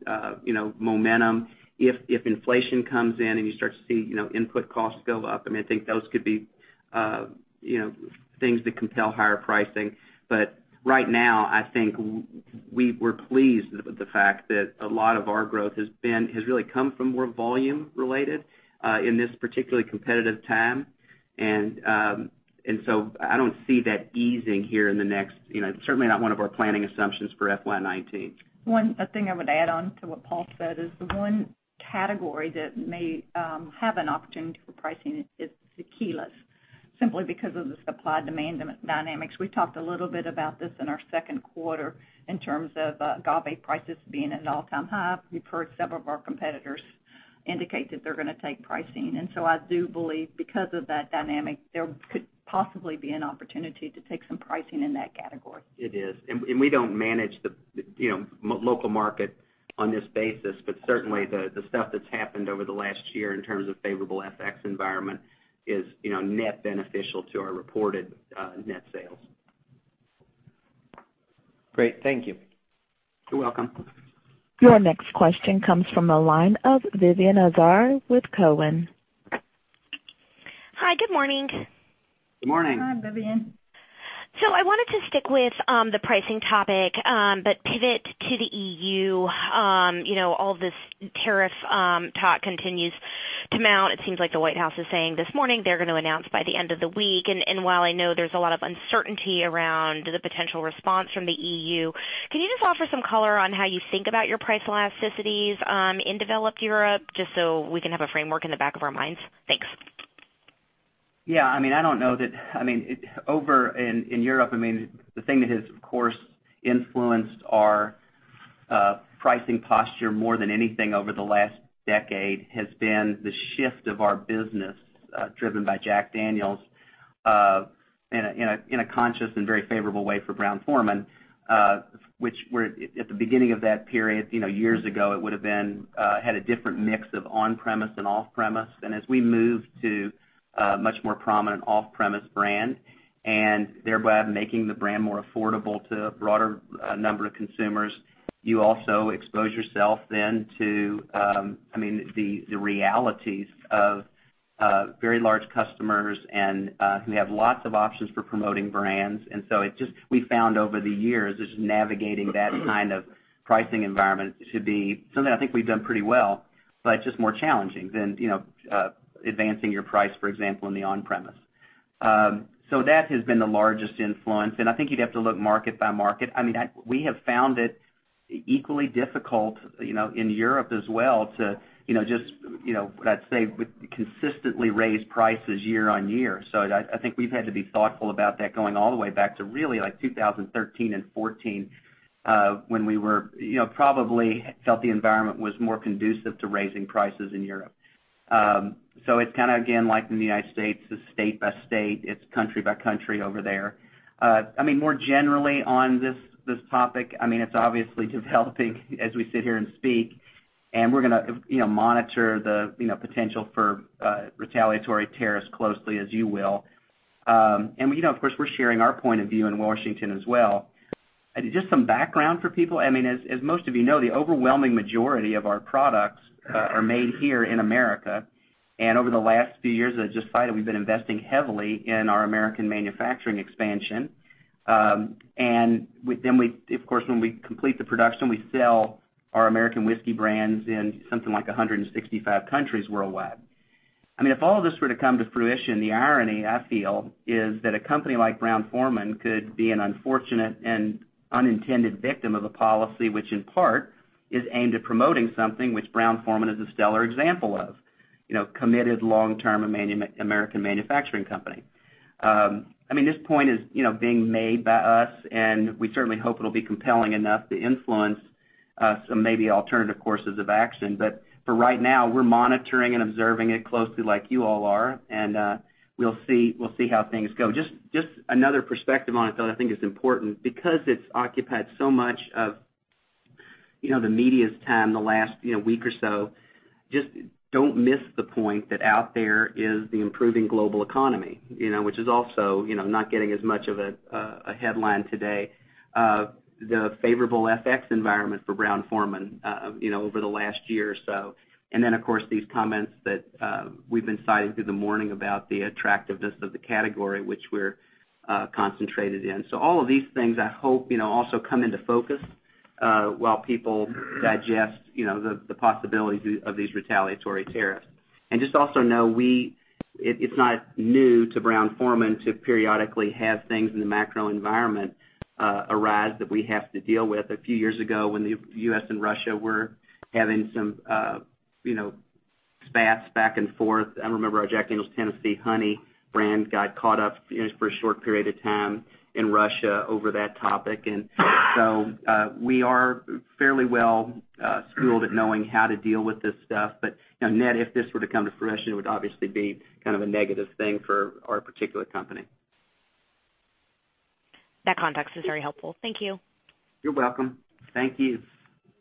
momentum. If inflation comes in and you start to see input costs go up, I think those could be things that compel higher pricing. Right now, I think we're pleased with the fact that a lot of our growth has really come from more volume related, in this particularly competitive time. I don't see that easing here in the next Certainly not one of our planning assumptions for FY 2019. One thing I would add on to what Paul said is the one category that may have an opportunity for pricing is tequilas, simply because of the supply-demand dynamics. We talked a little bit about this in our second quarter in terms of agave prices being at an all-time high. We've heard several of our competitors indicate that they're going to take pricing. I do believe because of that dynamic, there could possibly be an opportunity to take some pricing in that category. It is. We don't manage the local market on this basis, but certainly the stuff that's happened over the last year in terms of favorable FX environment is net beneficial to our reported net sales. Great. Thank you. You're welcome. Your next question comes from the line of Vivien Azer with Cowen. Hi, good morning. Good morning. Hi, Vivien. I wanted to stick with the pricing topic, but pivot to the EU. All of this tariff talk continues to mount. It seems like the White House is saying this morning they're going to announce by the end of the week. While I know there's a lot of uncertainty around the potential response from the EU, can you just offer some color on how you think about your price elasticities in developed Europe, just so we can have a framework in the back of our minds? Thanks. I don't know that Over in Europe, the thing that has, of course, influenced our pricing posture more than anything over the last decade has been the shift of our business, driven by Jack Daniel's, in a conscious and very favorable way for Brown-Forman, which at the beginning of that period, years ago, it would have had a different mix of on-premise and off-premise. As we moved to a much more prominent off-premise brand, and thereby making the brand more affordable to a broader number of consumers, you also expose yourself then to the realities of very large customers and who have lots of options for promoting brands. We found over the years, just navigating that kind of pricing environment to be something I think we've done pretty well, but it's just more challenging than advancing your price, for example, in the on-premise. That has been the largest influence, I think you'd have to look market by market. We have found it equally difficult in Europe as well to just, let's say, consistently raise prices year on year. I think we've had to be thoughtful about that going all the way back to really 2013 and 2014, when we probably felt the environment was more conducive to raising prices in Europe. It's, again, like in the U.S., it's state by state, it's country by country over there. More generally on this topic, it's obviously developing as we sit here and speak. We're going to monitor the potential for retaliatory tariffs as closely as you will. Of course, we're sharing our point of view in Washington as well. Just some background for people, as most of you know, the overwhelming majority of our products are made here in America. Over the last few years, as I just cited, we've been investing heavily in our American manufacturing expansion. Of course, when we complete the production, we sell our American whiskey brands in something like 165 countries worldwide. If all of this were to come to fruition, the irony, I feel, is that a company like Brown-Forman could be an unfortunate and unintended victim of a policy which in part is aimed at promoting something which Brown-Forman is a stellar example of. A committed long-term American manufacturing company. This point is being made by us. We certainly hope it'll be compelling enough to influence some maybe alternative courses of action. For right now, we're monitoring and observing it closely like you all are. We'll see how things go. Just another perspective on it, though, that I think is important, because it's occupied so much of the media's time the last week or so, just don't miss the point that out there is the improving global economy, which is also not getting as much of a headline today. The favorable FX environment for Brown-Forman over the last year or so. Of course, these comments that we've been citing through the morning about the attractiveness of the category which we're concentrated in. All of these things, I hope, also come into focus while people digest the possibilities of these retaliatory tariffs. Just also know, it's not new to Brown-Forman to periodically have things in the macro environment arise that we have to deal with. A few years ago, when the U.S. and Russia were having some spats back and forth, I remember our Jack Daniel's Tennessee Honey brand got caught up for a short period of time in Russia over that topic. We are fairly well-schooled at knowing how to deal with this stuff. Net, if this were to come to fruition, it would obviously be kind of a negative thing for our particular company. That context is very helpful. Thank you. You're welcome. Thank you.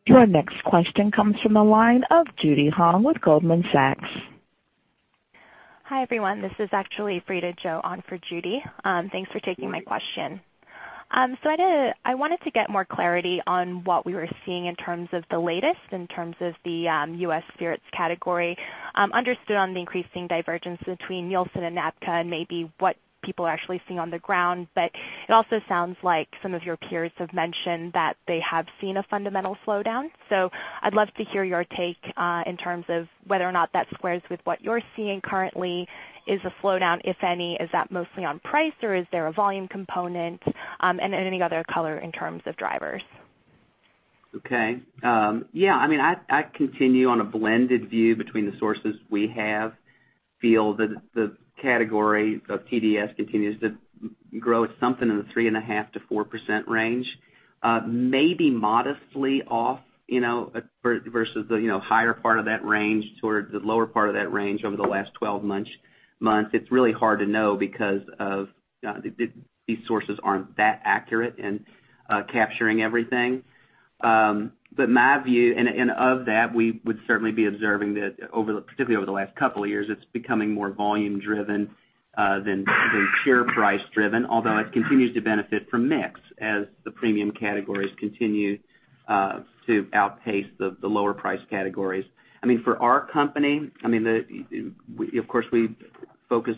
Your next question comes from the line of Judy Hong with Goldman Sachs. Hi, everyone. This is actually Frieda Zhou on for Judy. Thanks for taking my question. I wanted to get more clarity on what we were seeing in terms of the latest, in terms of the U.S. spirits category. Understood on the increasing divergence between Nielsen and NABCA and maybe what people are actually seeing on the ground, but it also sounds like some of your peers have mentioned that they have seen a fundamental slowdown. I'd love to hear your take in terms of whether or not that squares with what you're seeing currently. Is the slowdown, if any, is that mostly on price, or is there a volume component, and any other color in terms of drivers? I continue on a blended view between the sources we have, feel that the category of TDS continues to grow at something in the 3.5%-4% range. Maybe modestly off versus the higher part of that range towards the lower part of that range over the last 12 months. It's really hard to know because these sources aren't that accurate in capturing everything. My view, and of that, we would certainly be observing that, particularly over the last couple of years, it's becoming more volume driven than share price driven, although it continues to benefit from mix as the premium categories continue to outpace the lower price categories. For our company, of course, we focus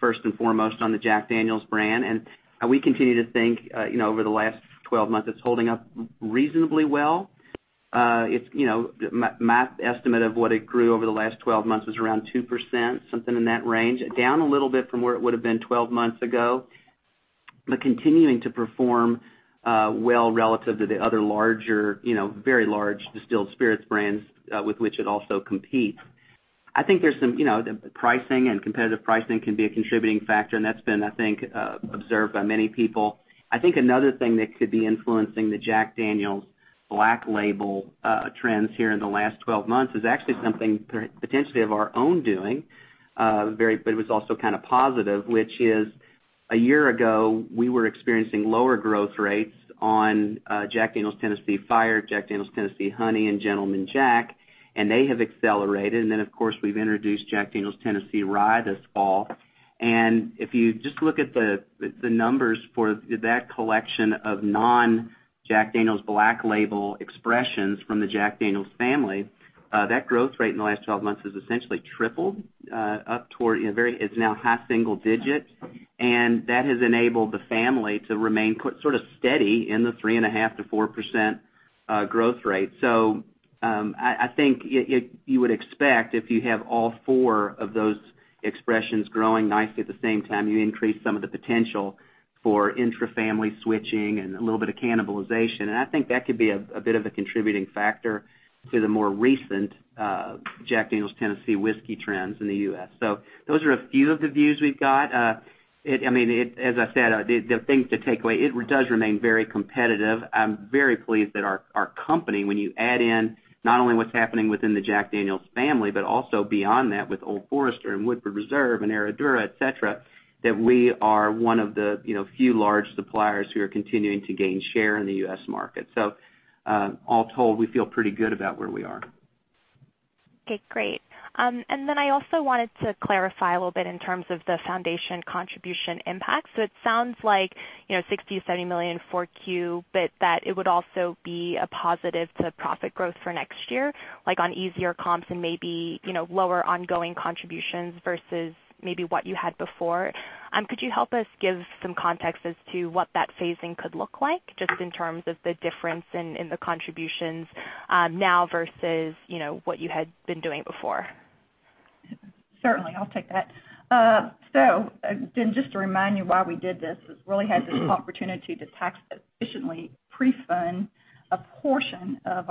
first and foremost on the Jack Daniel's brand, and we continue to think, over the last 12 months, it's holding up reasonably well. My estimate of what it grew over the last 12 months is around 2%, something in that range. Down a little bit from where it would've been 12 months ago, but continuing to perform well relative to the other very large distilled spirits brands with which it also competes. I think the pricing and competitive pricing can be a contributing factor, and that's been, I think, observed by many people. I think another thing that could be influencing the Jack Daniel's Black Label trends here in the last 12 months is actually something potentially of our own doing, but it was also kind of positive, which is, a year ago, we were experiencing lower growth rates on Jack Daniel's Tennessee Fire, Jack Daniel's Tennessee Honey, and Gentleman Jack, and they have accelerated. Of course, we've introduced Jack Daniel's Tennessee Rye this fall. If you just look at the numbers for that collection of non-Jack Daniel's Black Label expressions from the Jack Daniel's family, that growth rate in the last 12 months has essentially tripled. It's now high single digits, and that has enabled the family to remain sort of steady in the 3.5%-4% growth rate. I think you would expect if you have all four of those expressions growing nicely at the same time, you increase some of the potential for intrafamily switching and a little bit of cannibalization. I think that could be a bit of a contributing factor to the more recent Jack Daniel's Tennessee whiskey trends in the U.S. Those are a few of the views we've got. As I said, the thing to take away, it does remain very competitive. I'm very pleased that our company, when you add in not only what's happening within the Jack Daniel's family, but also beyond that with Old Forester and Woodford Reserve and Herradura, et cetera, that we are one of the few large suppliers who are continuing to gain share in the U.S. market. All told, we feel pretty good about where we are. Okay, great. I also wanted to clarify a little bit in terms of the foundation contribution impact. It sounds like $60 million-$70 million for Q, but that it would also be a positive to profit growth for next year, like on easier comps and maybe lower ongoing contributions versus maybe what you had before. Could you help us give some context as to what that phasing could look like, just in terms of the difference in the contributions now versus what you had been doing before? Certainly. I'll take that. Just to remind you why we did this, is really had this opportunity to tax efficiently pre-fund a portion of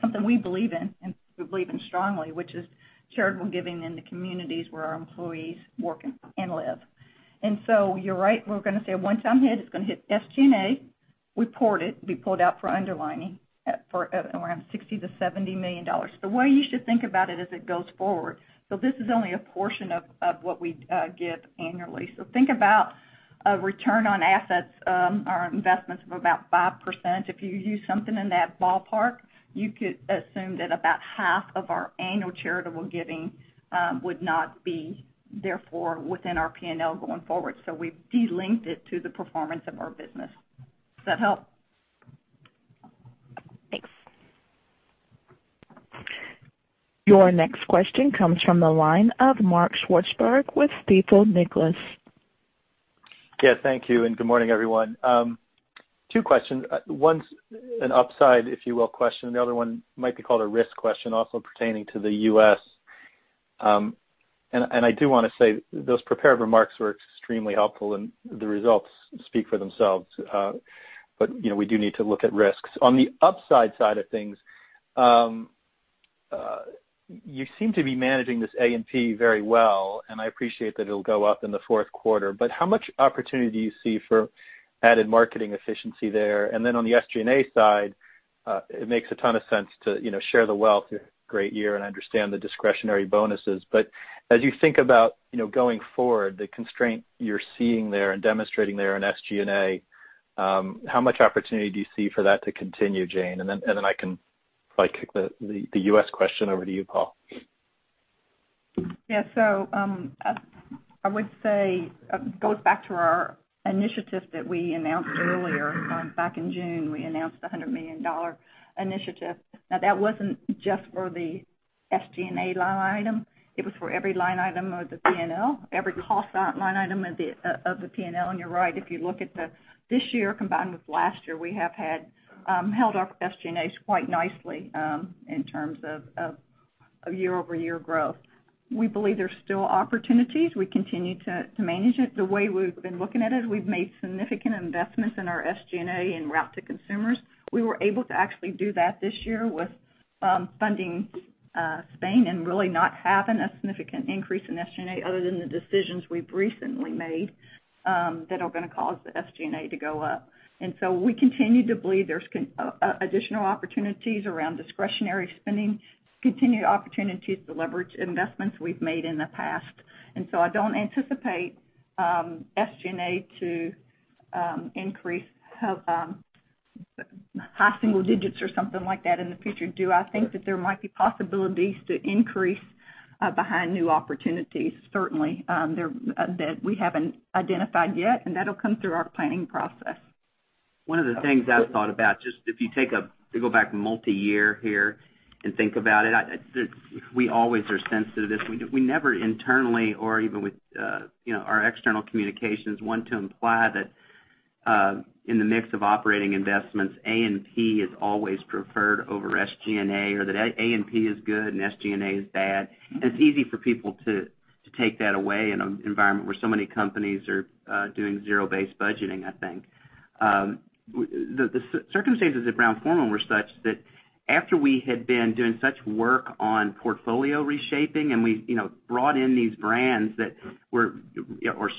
something we believe in, and we believe in strongly, which is charitable giving in the communities where our employees work and live. You're right, we're going to say a one-time hit, it's going to hit SG&A. We pulled out for underlying at around $60 million-$70 million. The way you should think about it as it goes forward, this is only a portion of what we give annually. Think about a return on assets, our investments of about 5%. If you use something in that ballpark, you could assume that about half of our annual charitable giving would not be therefore within our P&L going forward. We've de-linked it to the performance of our business. Does that help? Thanks. Your next question comes from the line of Mark Swartzberg with Stifel Nicolaus. Thank you, and good morning, everyone. Two questions. One's an upside, if you will, question, the other one might be called a risk question, also pertaining to the U.S. I do want to say those prepared remarks were extremely helpful and the results speak for themselves. We do need to look at risks. On the upside side of things, you seem to be managing this A&P very well, and I appreciate that it will go up in the fourth quarter, but how much opportunity do you see for added marketing efficiency there? On the SG&A side, it makes a ton of sense to share the wealth, great year, and I understand the discretionary bonuses. As you think about going forward, the constraint you're seeing there and demonstrating there in SG&A, how much opportunity do you see for that to continue, Jane? I can probably kick the U.S. question over to you, Paul. I would say, it goes back to our initiative that we announced earlier on. Back in June, we announced the $100 million initiative. That wasn't just for the SG&A line item. It was for every line item of the P&L, every cost line item of the P&L. You're right, if you look at this year combined with last year, we have held our SG&As quite nicely in terms of year-over-year growth. We believe there's still opportunities. We continue to manage it. The way we've been looking at it is we've made significant investments in our SG&A in route to consumers. We were able to actually do that this year with funding Spain and really not having a significant increase in SG&A other than the decisions we've recently made that are going to cause the SG&A to go up. We continue to believe there's additional opportunities around discretionary spending, continued opportunities to leverage investments we've made in the past. I don't anticipate SG&A to increase high single digits or something like that in the future. Do I think that there might be possibilities to increase behind new opportunities? Certainly. That we haven't identified yet, and that will come through our planning process. One of the things I've thought about, just if you go back multi-year here and think about it, we always are sensitive to this. We never internally or even with our external communications want to imply that in the mix of operating investments, A&P is always preferred over SG&A, or that A&P is good and SG&A is bad. It's easy for people to take that away in an environment where so many companies are doing zero-based budgeting, I think. The circumstances at Brown-Forman were such that after we had been doing such work on portfolio reshaping and we brought in these brands, or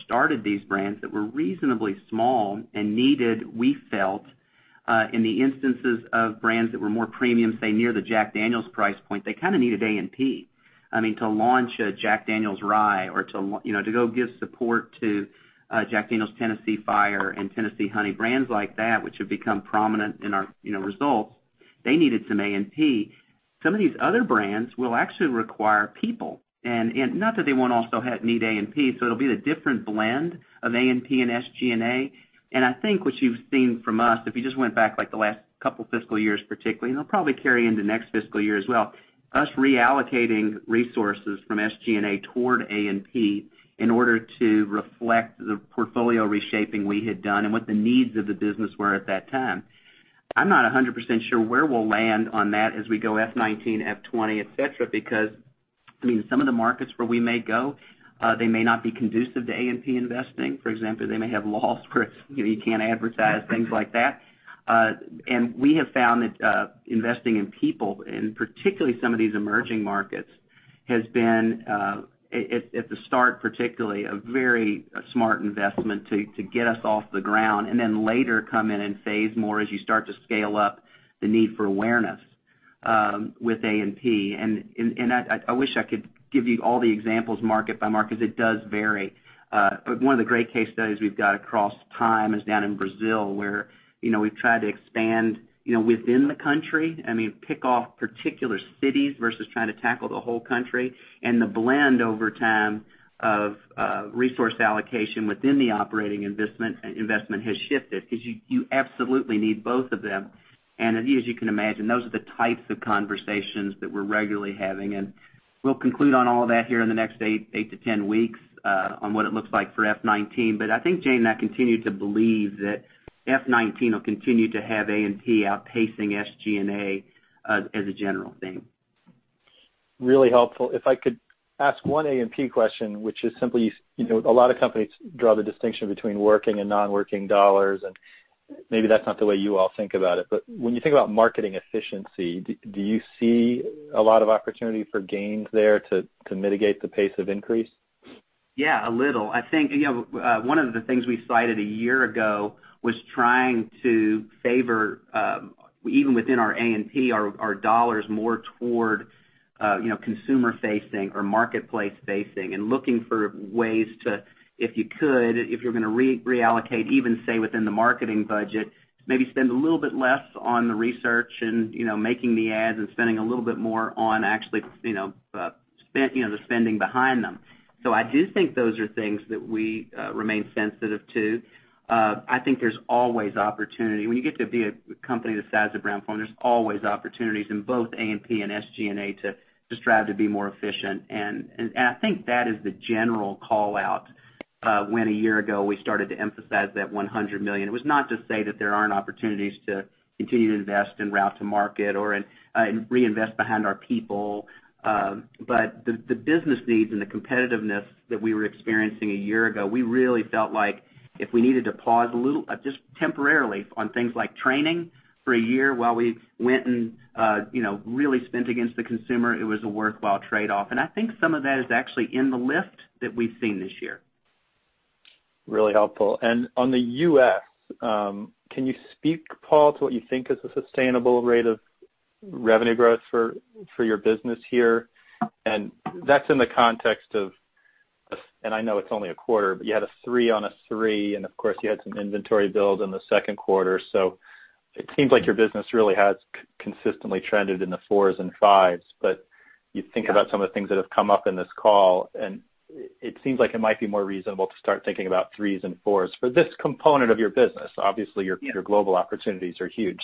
started these brands that were reasonably small and needed, we felt, in the instances of brands that were more premium, say near the Jack Daniel's price point, they kind of needed A&P. To launch a Jack Daniel's Rye or to go give support to Jack Daniel's Tennessee Fire and Tennessee Honey, brands like that, which have become prominent in our results, they needed some A&P. Some of these other brands will actually require people, not that they won't also need A&P, so it'll be the different blend of A&P and SG&A. I think what you've seen from us, if you just went back like the last couple fiscal years particularly, and it'll probably carry into next fiscal year as well, us reallocating resources from SG&A toward A&P in order to reflect the portfolio reshaping we had done and what the needs of the business were at that time. I'm not 100% sure where we'll land on that as we go FY 2019, FY 2020, et cetera, because I mean, some of the markets where we may go, they may not be conducive to A&P investing. For example, they may have laws where you can't advertise, things like that. We have found that investing in people, and particularly some of these emerging markets, has been, at the start particularly, a very smart investment to get us off the ground and then later come in phase more as you start to scale up the need for awareness with A&P. I wish I could give you all the examples market by market, because it does vary. One of the great case studies we've got across time is down in Brazil, where we've tried to expand within the country. I mean pick off particular cities versus trying to tackle the whole country. The blend over time of resource allocation within the operating investment has shifted because you absolutely need both of them. As you can imagine, those are the types of conversations that we're regularly having. We'll conclude on all of that here in the next 8 to 10 weeks, on what it looks like for FY 2019. I think, Jane, I continue to believe that FY 2019 will continue to have A&P outpacing SG&A as a general thing. Really helpful. If I could ask one A&P question, which is simply, a lot of companies draw the distinction between working and non-working dollars, and maybe that's not the way you all think about it, but when you think about marketing efficiency, do you see a lot of opportunity for gains there to mitigate the pace of increase? Yeah, a little. I think one of the things we cited a year ago was trying to favor, even within our A&P, our dollars more toward consumer facing or marketplace facing and looking for ways to, if you could, if you're going to reallocate, even, say, within the marketing budget, maybe spend a little bit less on the research and making the ads and spending a little bit more on actually the spending behind them. I do think those are things that we remain sensitive to. I think there's always opportunity. When you get to be a company the size of Brown-Forman, there's always opportunities in both A&P and SG&A to strive to be more efficient. I think that is the general call-out when a year ago, we started to emphasize that $100 million. It was not to say that there aren't opportunities to continue to invest in route to market or reinvest behind our people. The business needs and the competitiveness that we were experiencing a year ago, we really felt like if we needed to pause a little, just temporarily, on things like training for a year while we went and really spent against the consumer, it was a worthwhile trade-off. I think some of that is actually in the lift that we've seen this year. Really helpful. On the U.S., can you speak, Paul, to what you think is a sustainable rate of revenue growth for your business here? That's in the context of, I know it's only a quarter, but you had a three on a three, and of course, you had some inventory build in the second quarter. It seems like your business really has consistently trended in the fours and fives. You think about some of the things that have come up in this call, and it seems like it might be more reasonable to start thinking about threes and fours for this component of your business. Obviously, your global opportunities are huge.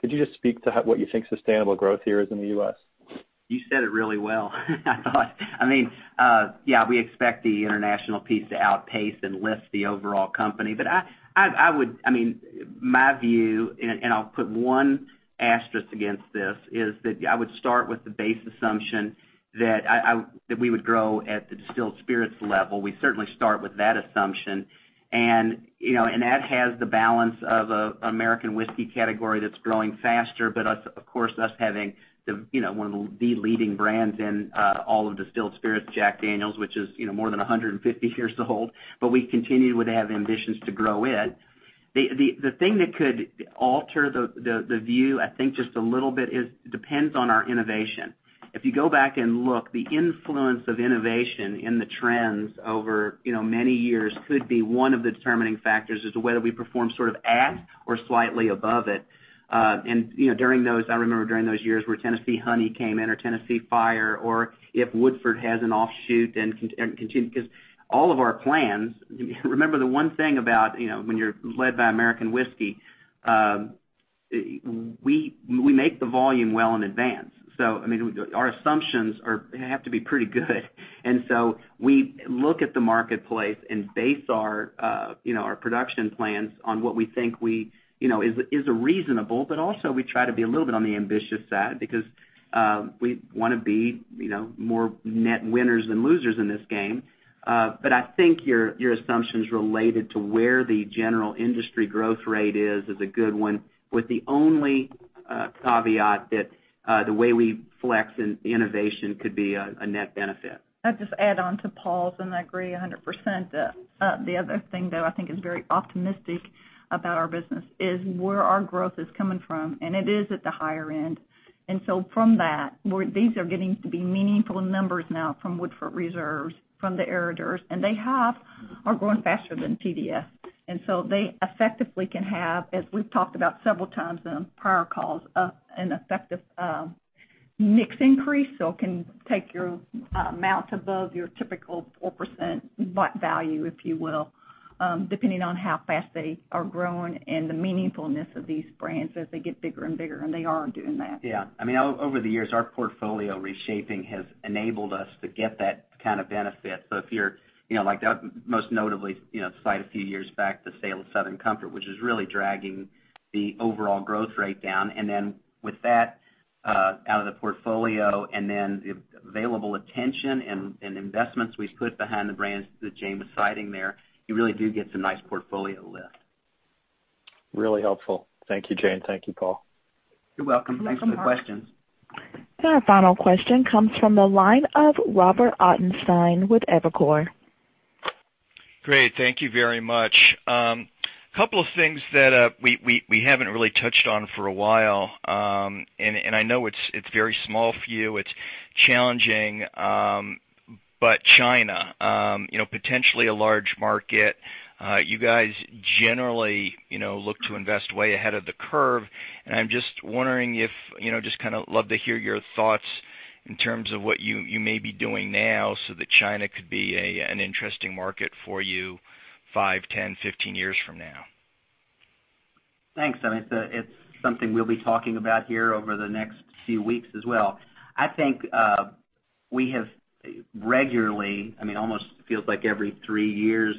Could you just speak to what you think sustainable growth here is in the U.S.? You said it really well, I thought. We expect the international piece to outpace and lift the overall company. My view, and I'll put one asterisk against this, is that I would start with the base assumption that we would grow at the distilled spirits level. We certainly start with that assumption. That has the balance of an American whiskey category that's growing faster, of course, us having the leading brands in all of distilled spirits, Jack Daniel's, which is more than 150 years old, we continue to have ambitions to grow it. The thing that could alter the view, I think, just a little bit is, depends on our innovation. If you go back and look, the influence of innovation in the trends over many years could be one of the determining factors as to whether we perform sort of at or slightly above it. I remember during those years where Tennessee Honey came in or Tennessee Fire, or if Woodford has an offshoot. Because all of our plans, remember the one thing about when you're led by American whiskey, we make the volume well in advance. Our assumptions have to be pretty good. We look at the marketplace and base our production plans on what we think is reasonable, also we try to be a little bit on the ambitious side because we want to be more net winners than losers in this game. I think your assumptions related to where the general industry growth rate is a good one, with the only caveat that the way we flex innovation could be a net benefit. I'll just add on to Paul's, I agree 100%. The other thing, though, I think is very optimistic about our business is where our growth is coming from, and it is at the higher end. From that, these are getting to be meaningful numbers now from Woodford Reserve, from the Herraduras, they are growing faster than TDS. They effectively can have, as we've talked about several times in prior calls, an effective mix increase. So it can take your amounts above your typical 4% value, if you will, depending on how fast they are growing and the meaningfulness of these brands as they get bigger and bigger, and they are doing that. Yeah. Over the years, our portfolio reshaping has enabled us to get that kind of benefit. Like most notably, cite a few years back, the sale of Southern Comfort, which is really dragging the overall growth rate down. With that out of the portfolio, and then the available attention and investments we've put behind the brands that Jane was citing there, you really do get some nice portfolio lift. Really helpful. Thank you, Jane. Thank you, Paul. You're welcome. Thanks for the question. You're welcome, Mark. Our final question comes from the line of Robert Ottenstein with Evercore. Great. Thank you very much. A couple of things that we haven't really touched on for a while, I know it's very small for you, it's challenging, China, potentially a large market. You guys generally look to invest way ahead of the curve, I just kind of love to hear your thoughts in terms of what you may be doing now so that China could be an interesting market for you five, 10, 15 years from now. Thanks. It's something we'll be talking about here over the next few weeks as well. I think we have regularly, almost feels like every three years,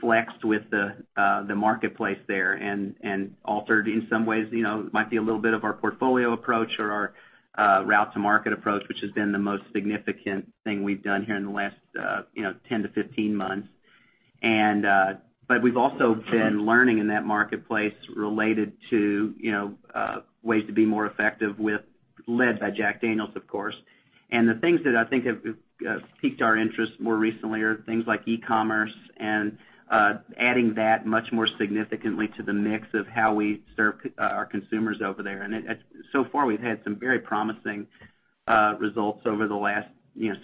flexed with the marketplace there and altered, in some ways, might be a little bit of our portfolio approach or our route to market approach, which has been the most significant thing we've done here in the last 10 to 15 months. We've also been learning in that marketplace related to ways to be more effective led by Jack Daniel's, of course. The things that I think have piqued our interest more recently are things like e-commerce and adding that much more significantly to the mix of how we serve our consumers over there. So far, we've had some very promising results over the last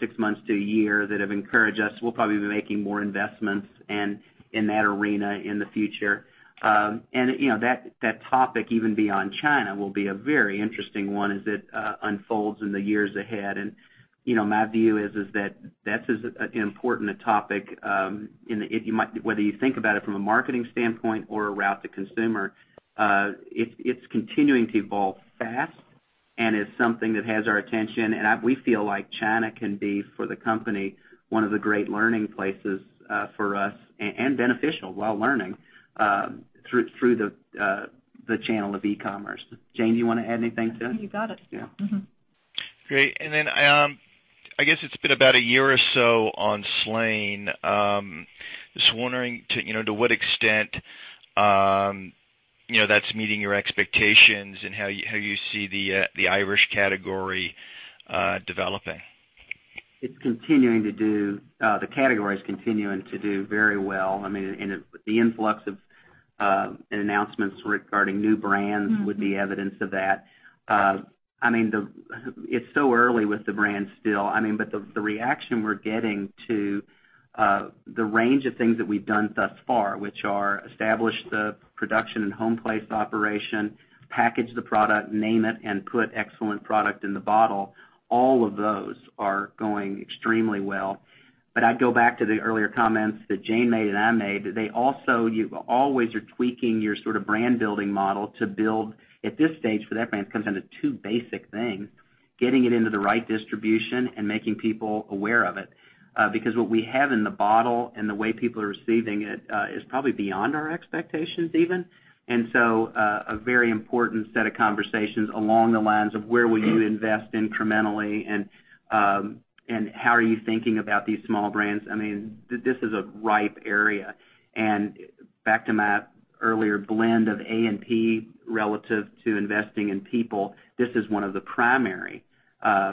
six months to a year that have encouraged us. We'll probably be making more investments in that arena in the future. That topic, even beyond China, will be a very interesting one as it unfolds in the years ahead. My view is that that's as important a topic, whether you think about it from a marketing standpoint or a route to consumer, it's continuing to evolve fast and is something that has our attention. We feel like China can be, for the company, one of the great learning places for us, and beneficial while learning, through the channel of e-commerce. Jane, do you want to add anything to that? You got it. Yeah. Great. I guess it's been about a year or so on Slane. Just wondering to what extent that's meeting your expectations and how you see the Irish category developing. The category is continuing to do very well. The influx of announcements regarding new brands would be evidence of that. It's so early with the brand still. The reaction we're getting to the range of things that we've done thus far, which are establish the production and home place operation, package the product, name it, and put excellent product in the bottle, all of those are going extremely well. I'd go back to the earlier comments that Jane made and I made, that they also, you always are tweaking your brand-building model to build, at this stage, for that brand, it comes down to two basic things: getting it into the right distribution and making people aware of it. What we have in the bottle and the way people are receiving it is probably beyond our expectations, even. A very important set of conversations along the lines of where will you invest incrementally and how are you thinking about these small brands? This is a ripe area. Back to my earlier blend of A&P relative to investing in people, this is one of the primary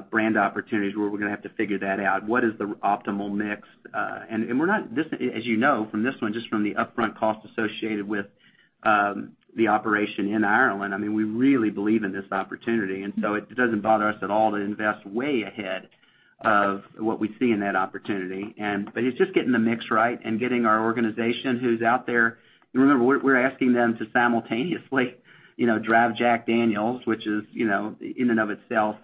brand opportunities where we're going to have to figure that out. What is the optimal mix? As you know, from this one, just from the upfront cost associated with the operation in Ireland, we really believe in this opportunity. It doesn't bother us at all to invest way ahead of what we see in that opportunity. It's just getting the mix right and getting our organization who's out there, Remember, we're asking them to simultaneously drive Jack Daniel's, which is, in and of itself,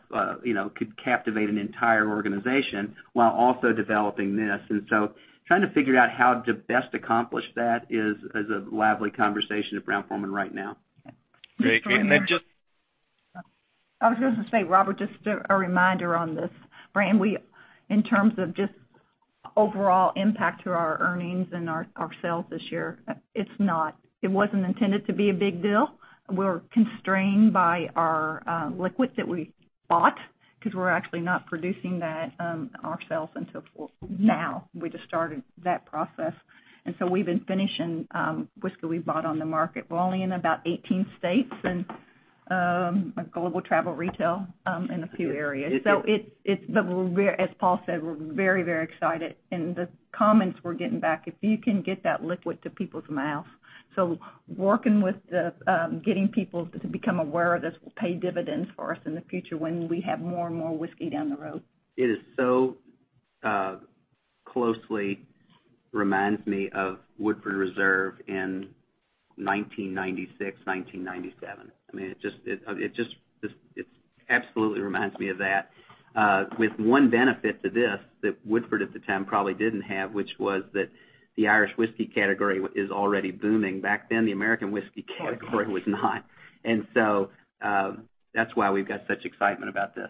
could captivate an entire organization while also developing this. Trying to figure out how to best accomplish that is a lively conversation at Brown-Forman right now. Great. I was going to say, Robert, just a reminder on this brand. In terms of just overall impact to our earnings and our sales this year, it's not. It wasn't intended to be a big deal. We're constrained by our liquid that we bought because we're actually not producing that ourselves until now. We just started that process. We've been finishing whiskey we bought on the market. We're only in about 18 states and global travel retail in a few areas. As Paul said, we're very excited. The comments we're getting back, if you can get that liquid to people's mouths. Working with getting people to become aware of this will pay dividends for us in the future when we have more and more whiskey down the road. It so closely reminds me of Woodford Reserve in 1996, 1997. It absolutely reminds me of that. With one benefit to this that Woodford at the time probably didn't have, which was that the Irish whiskey category is already booming. Back then, the American whiskey category was not. That's why we've got such excitement about this.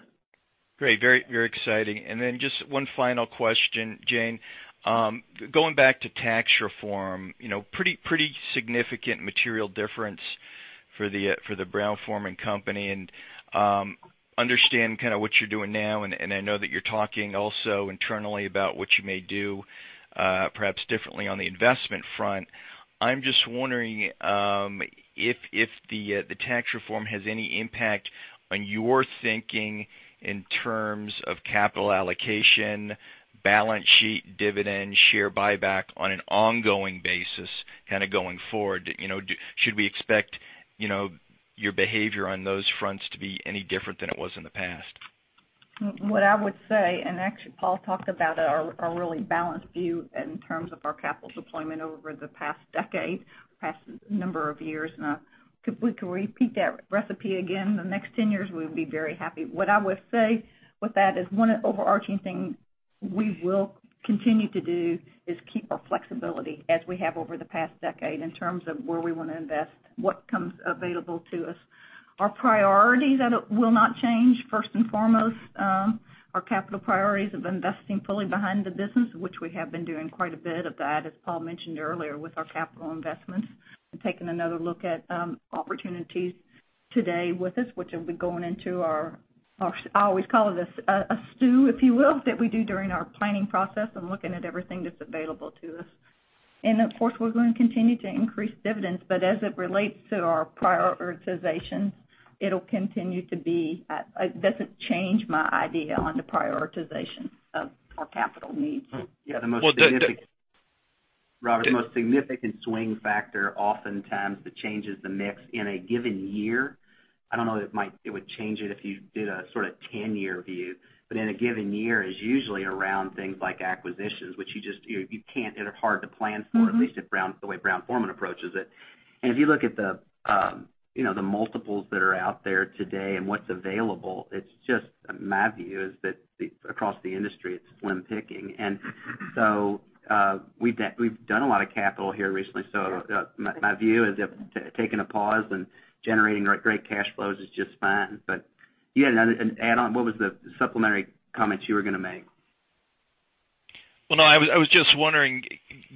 Great. Very exciting. Just one final question, Jane. Going back to tax reform, pretty significant material difference for the Brown-Forman company, and understand what you're doing now, and I know that you're talking also internally about what you may do perhaps differently on the investment front. I'm just wondering if the tax reform has any impact on your thinking in terms of capital allocation, balance sheet, dividend, share buyback on an ongoing basis, going forward. Should we expect your behavior on those fronts to be any different than it was in the past? What I would say, actually, Paul talked about it, our really balanced view in terms of our capital deployment over the past decade, past number of years now. If we can repeat that recipe again the next 10 years, we would be very happy. What I would say with that is one overarching thing we will continue to do is keep our flexibility as we have over the past decade in terms of where we want to invest, what comes available to us. Our priority that will not change, first and foremost, our capital priorities of investing fully behind the business, which we have been doing quite a bit of that, as Paul mentioned earlier, with our capital investments and taking another look at opportunities today with us, which will be going into our, I always call it a stew, if you will, that we do during our planning process and looking at everything that's available to us. Of course, we're going to continue to increase dividends. As it relates to our prioritization, it doesn't change my idea on the prioritization of our capital needs. Robert, the most significant swing factor oftentimes that changes the mix in a given year, I don't know if it would change it if you did a sort of 10-year view, but in a given year is usually around things like acquisitions, which you can't, they're hard to plan for, at least the way Brown-Forman approaches it. If you look at the multiples that are out there today and what's available, my view is that across the industry, it's slim picking. We've done a lot of capital here recently. My view is taking a pause and generating great cash flows is just fine. You had another add-on. What was the supplementary comments you were going to make? Well, no, I was just wondering,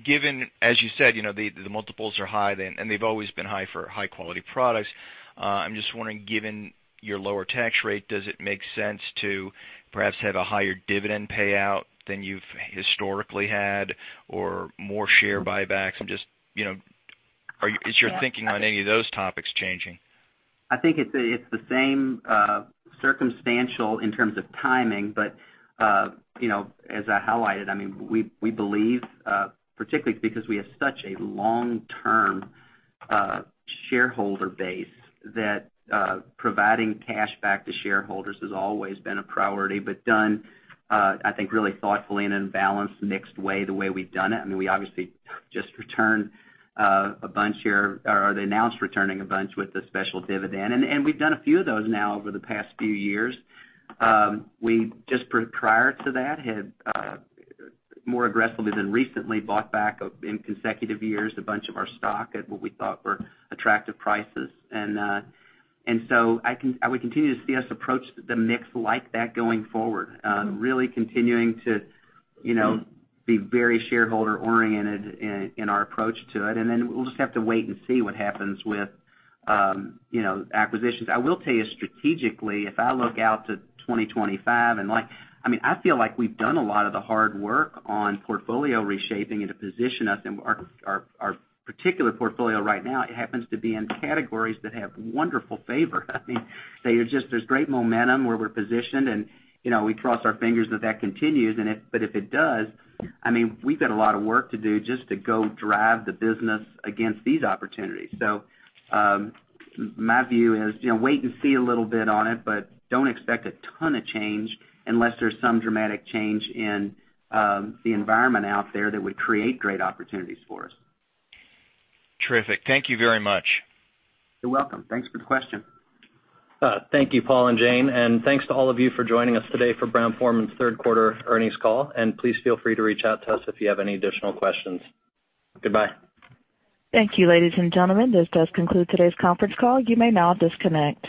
given, as you said, the multiples are high, and they've always been high for high quality products. I'm just wondering, given your lower tax rate, does it make sense to perhaps have a higher dividend payout than you've historically had or more share buybacks? Is your thinking on any of those topics changing? I think it's the same circumstantial in terms of timing. As I highlighted, we believe, particularly because we have such a long-term shareholder base, that providing cash back to shareholders has always been a priority, but done, I think, really thoughtfully in a balanced, mixed way, the way we've done it. We obviously just returned a bunch here, or they announced returning a bunch with the special dividend. We've done a few of those now over the past few years. We just prior to that had more aggressively than recently bought back in consecutive years a bunch of our stock at what we thought were attractive prices. I would continue to see us approach the mix like that going forward, really continuing to be very shareholder oriented in our approach to it. Then we'll just have to wait and see what happens with acquisitions. I will tell you strategically, if I look out to 2025, I feel like we've done a lot of the hard work on portfolio reshaping and to position us. Our particular portfolio right now, it happens to be in categories that have wonderful favor. There's great momentum where we're positioned, and we cross our fingers that that continues. If it does, we've got a lot of work to do just to go drive the business against these opportunities. My view is wait and see a little bit on it, but don't expect a ton of change unless there's some dramatic change in the environment out there that would create great opportunities for us. Terrific. Thank you very much. You're welcome. Thanks for the question. Thank you, Paul and Jane. Thanks to all of you for joining us today for Brown-Forman's third quarter earnings call. Please feel free to reach out to us if you have any additional questions. Goodbye. Thank you, ladies and gentlemen. This does conclude today's conference call. You may now disconnect.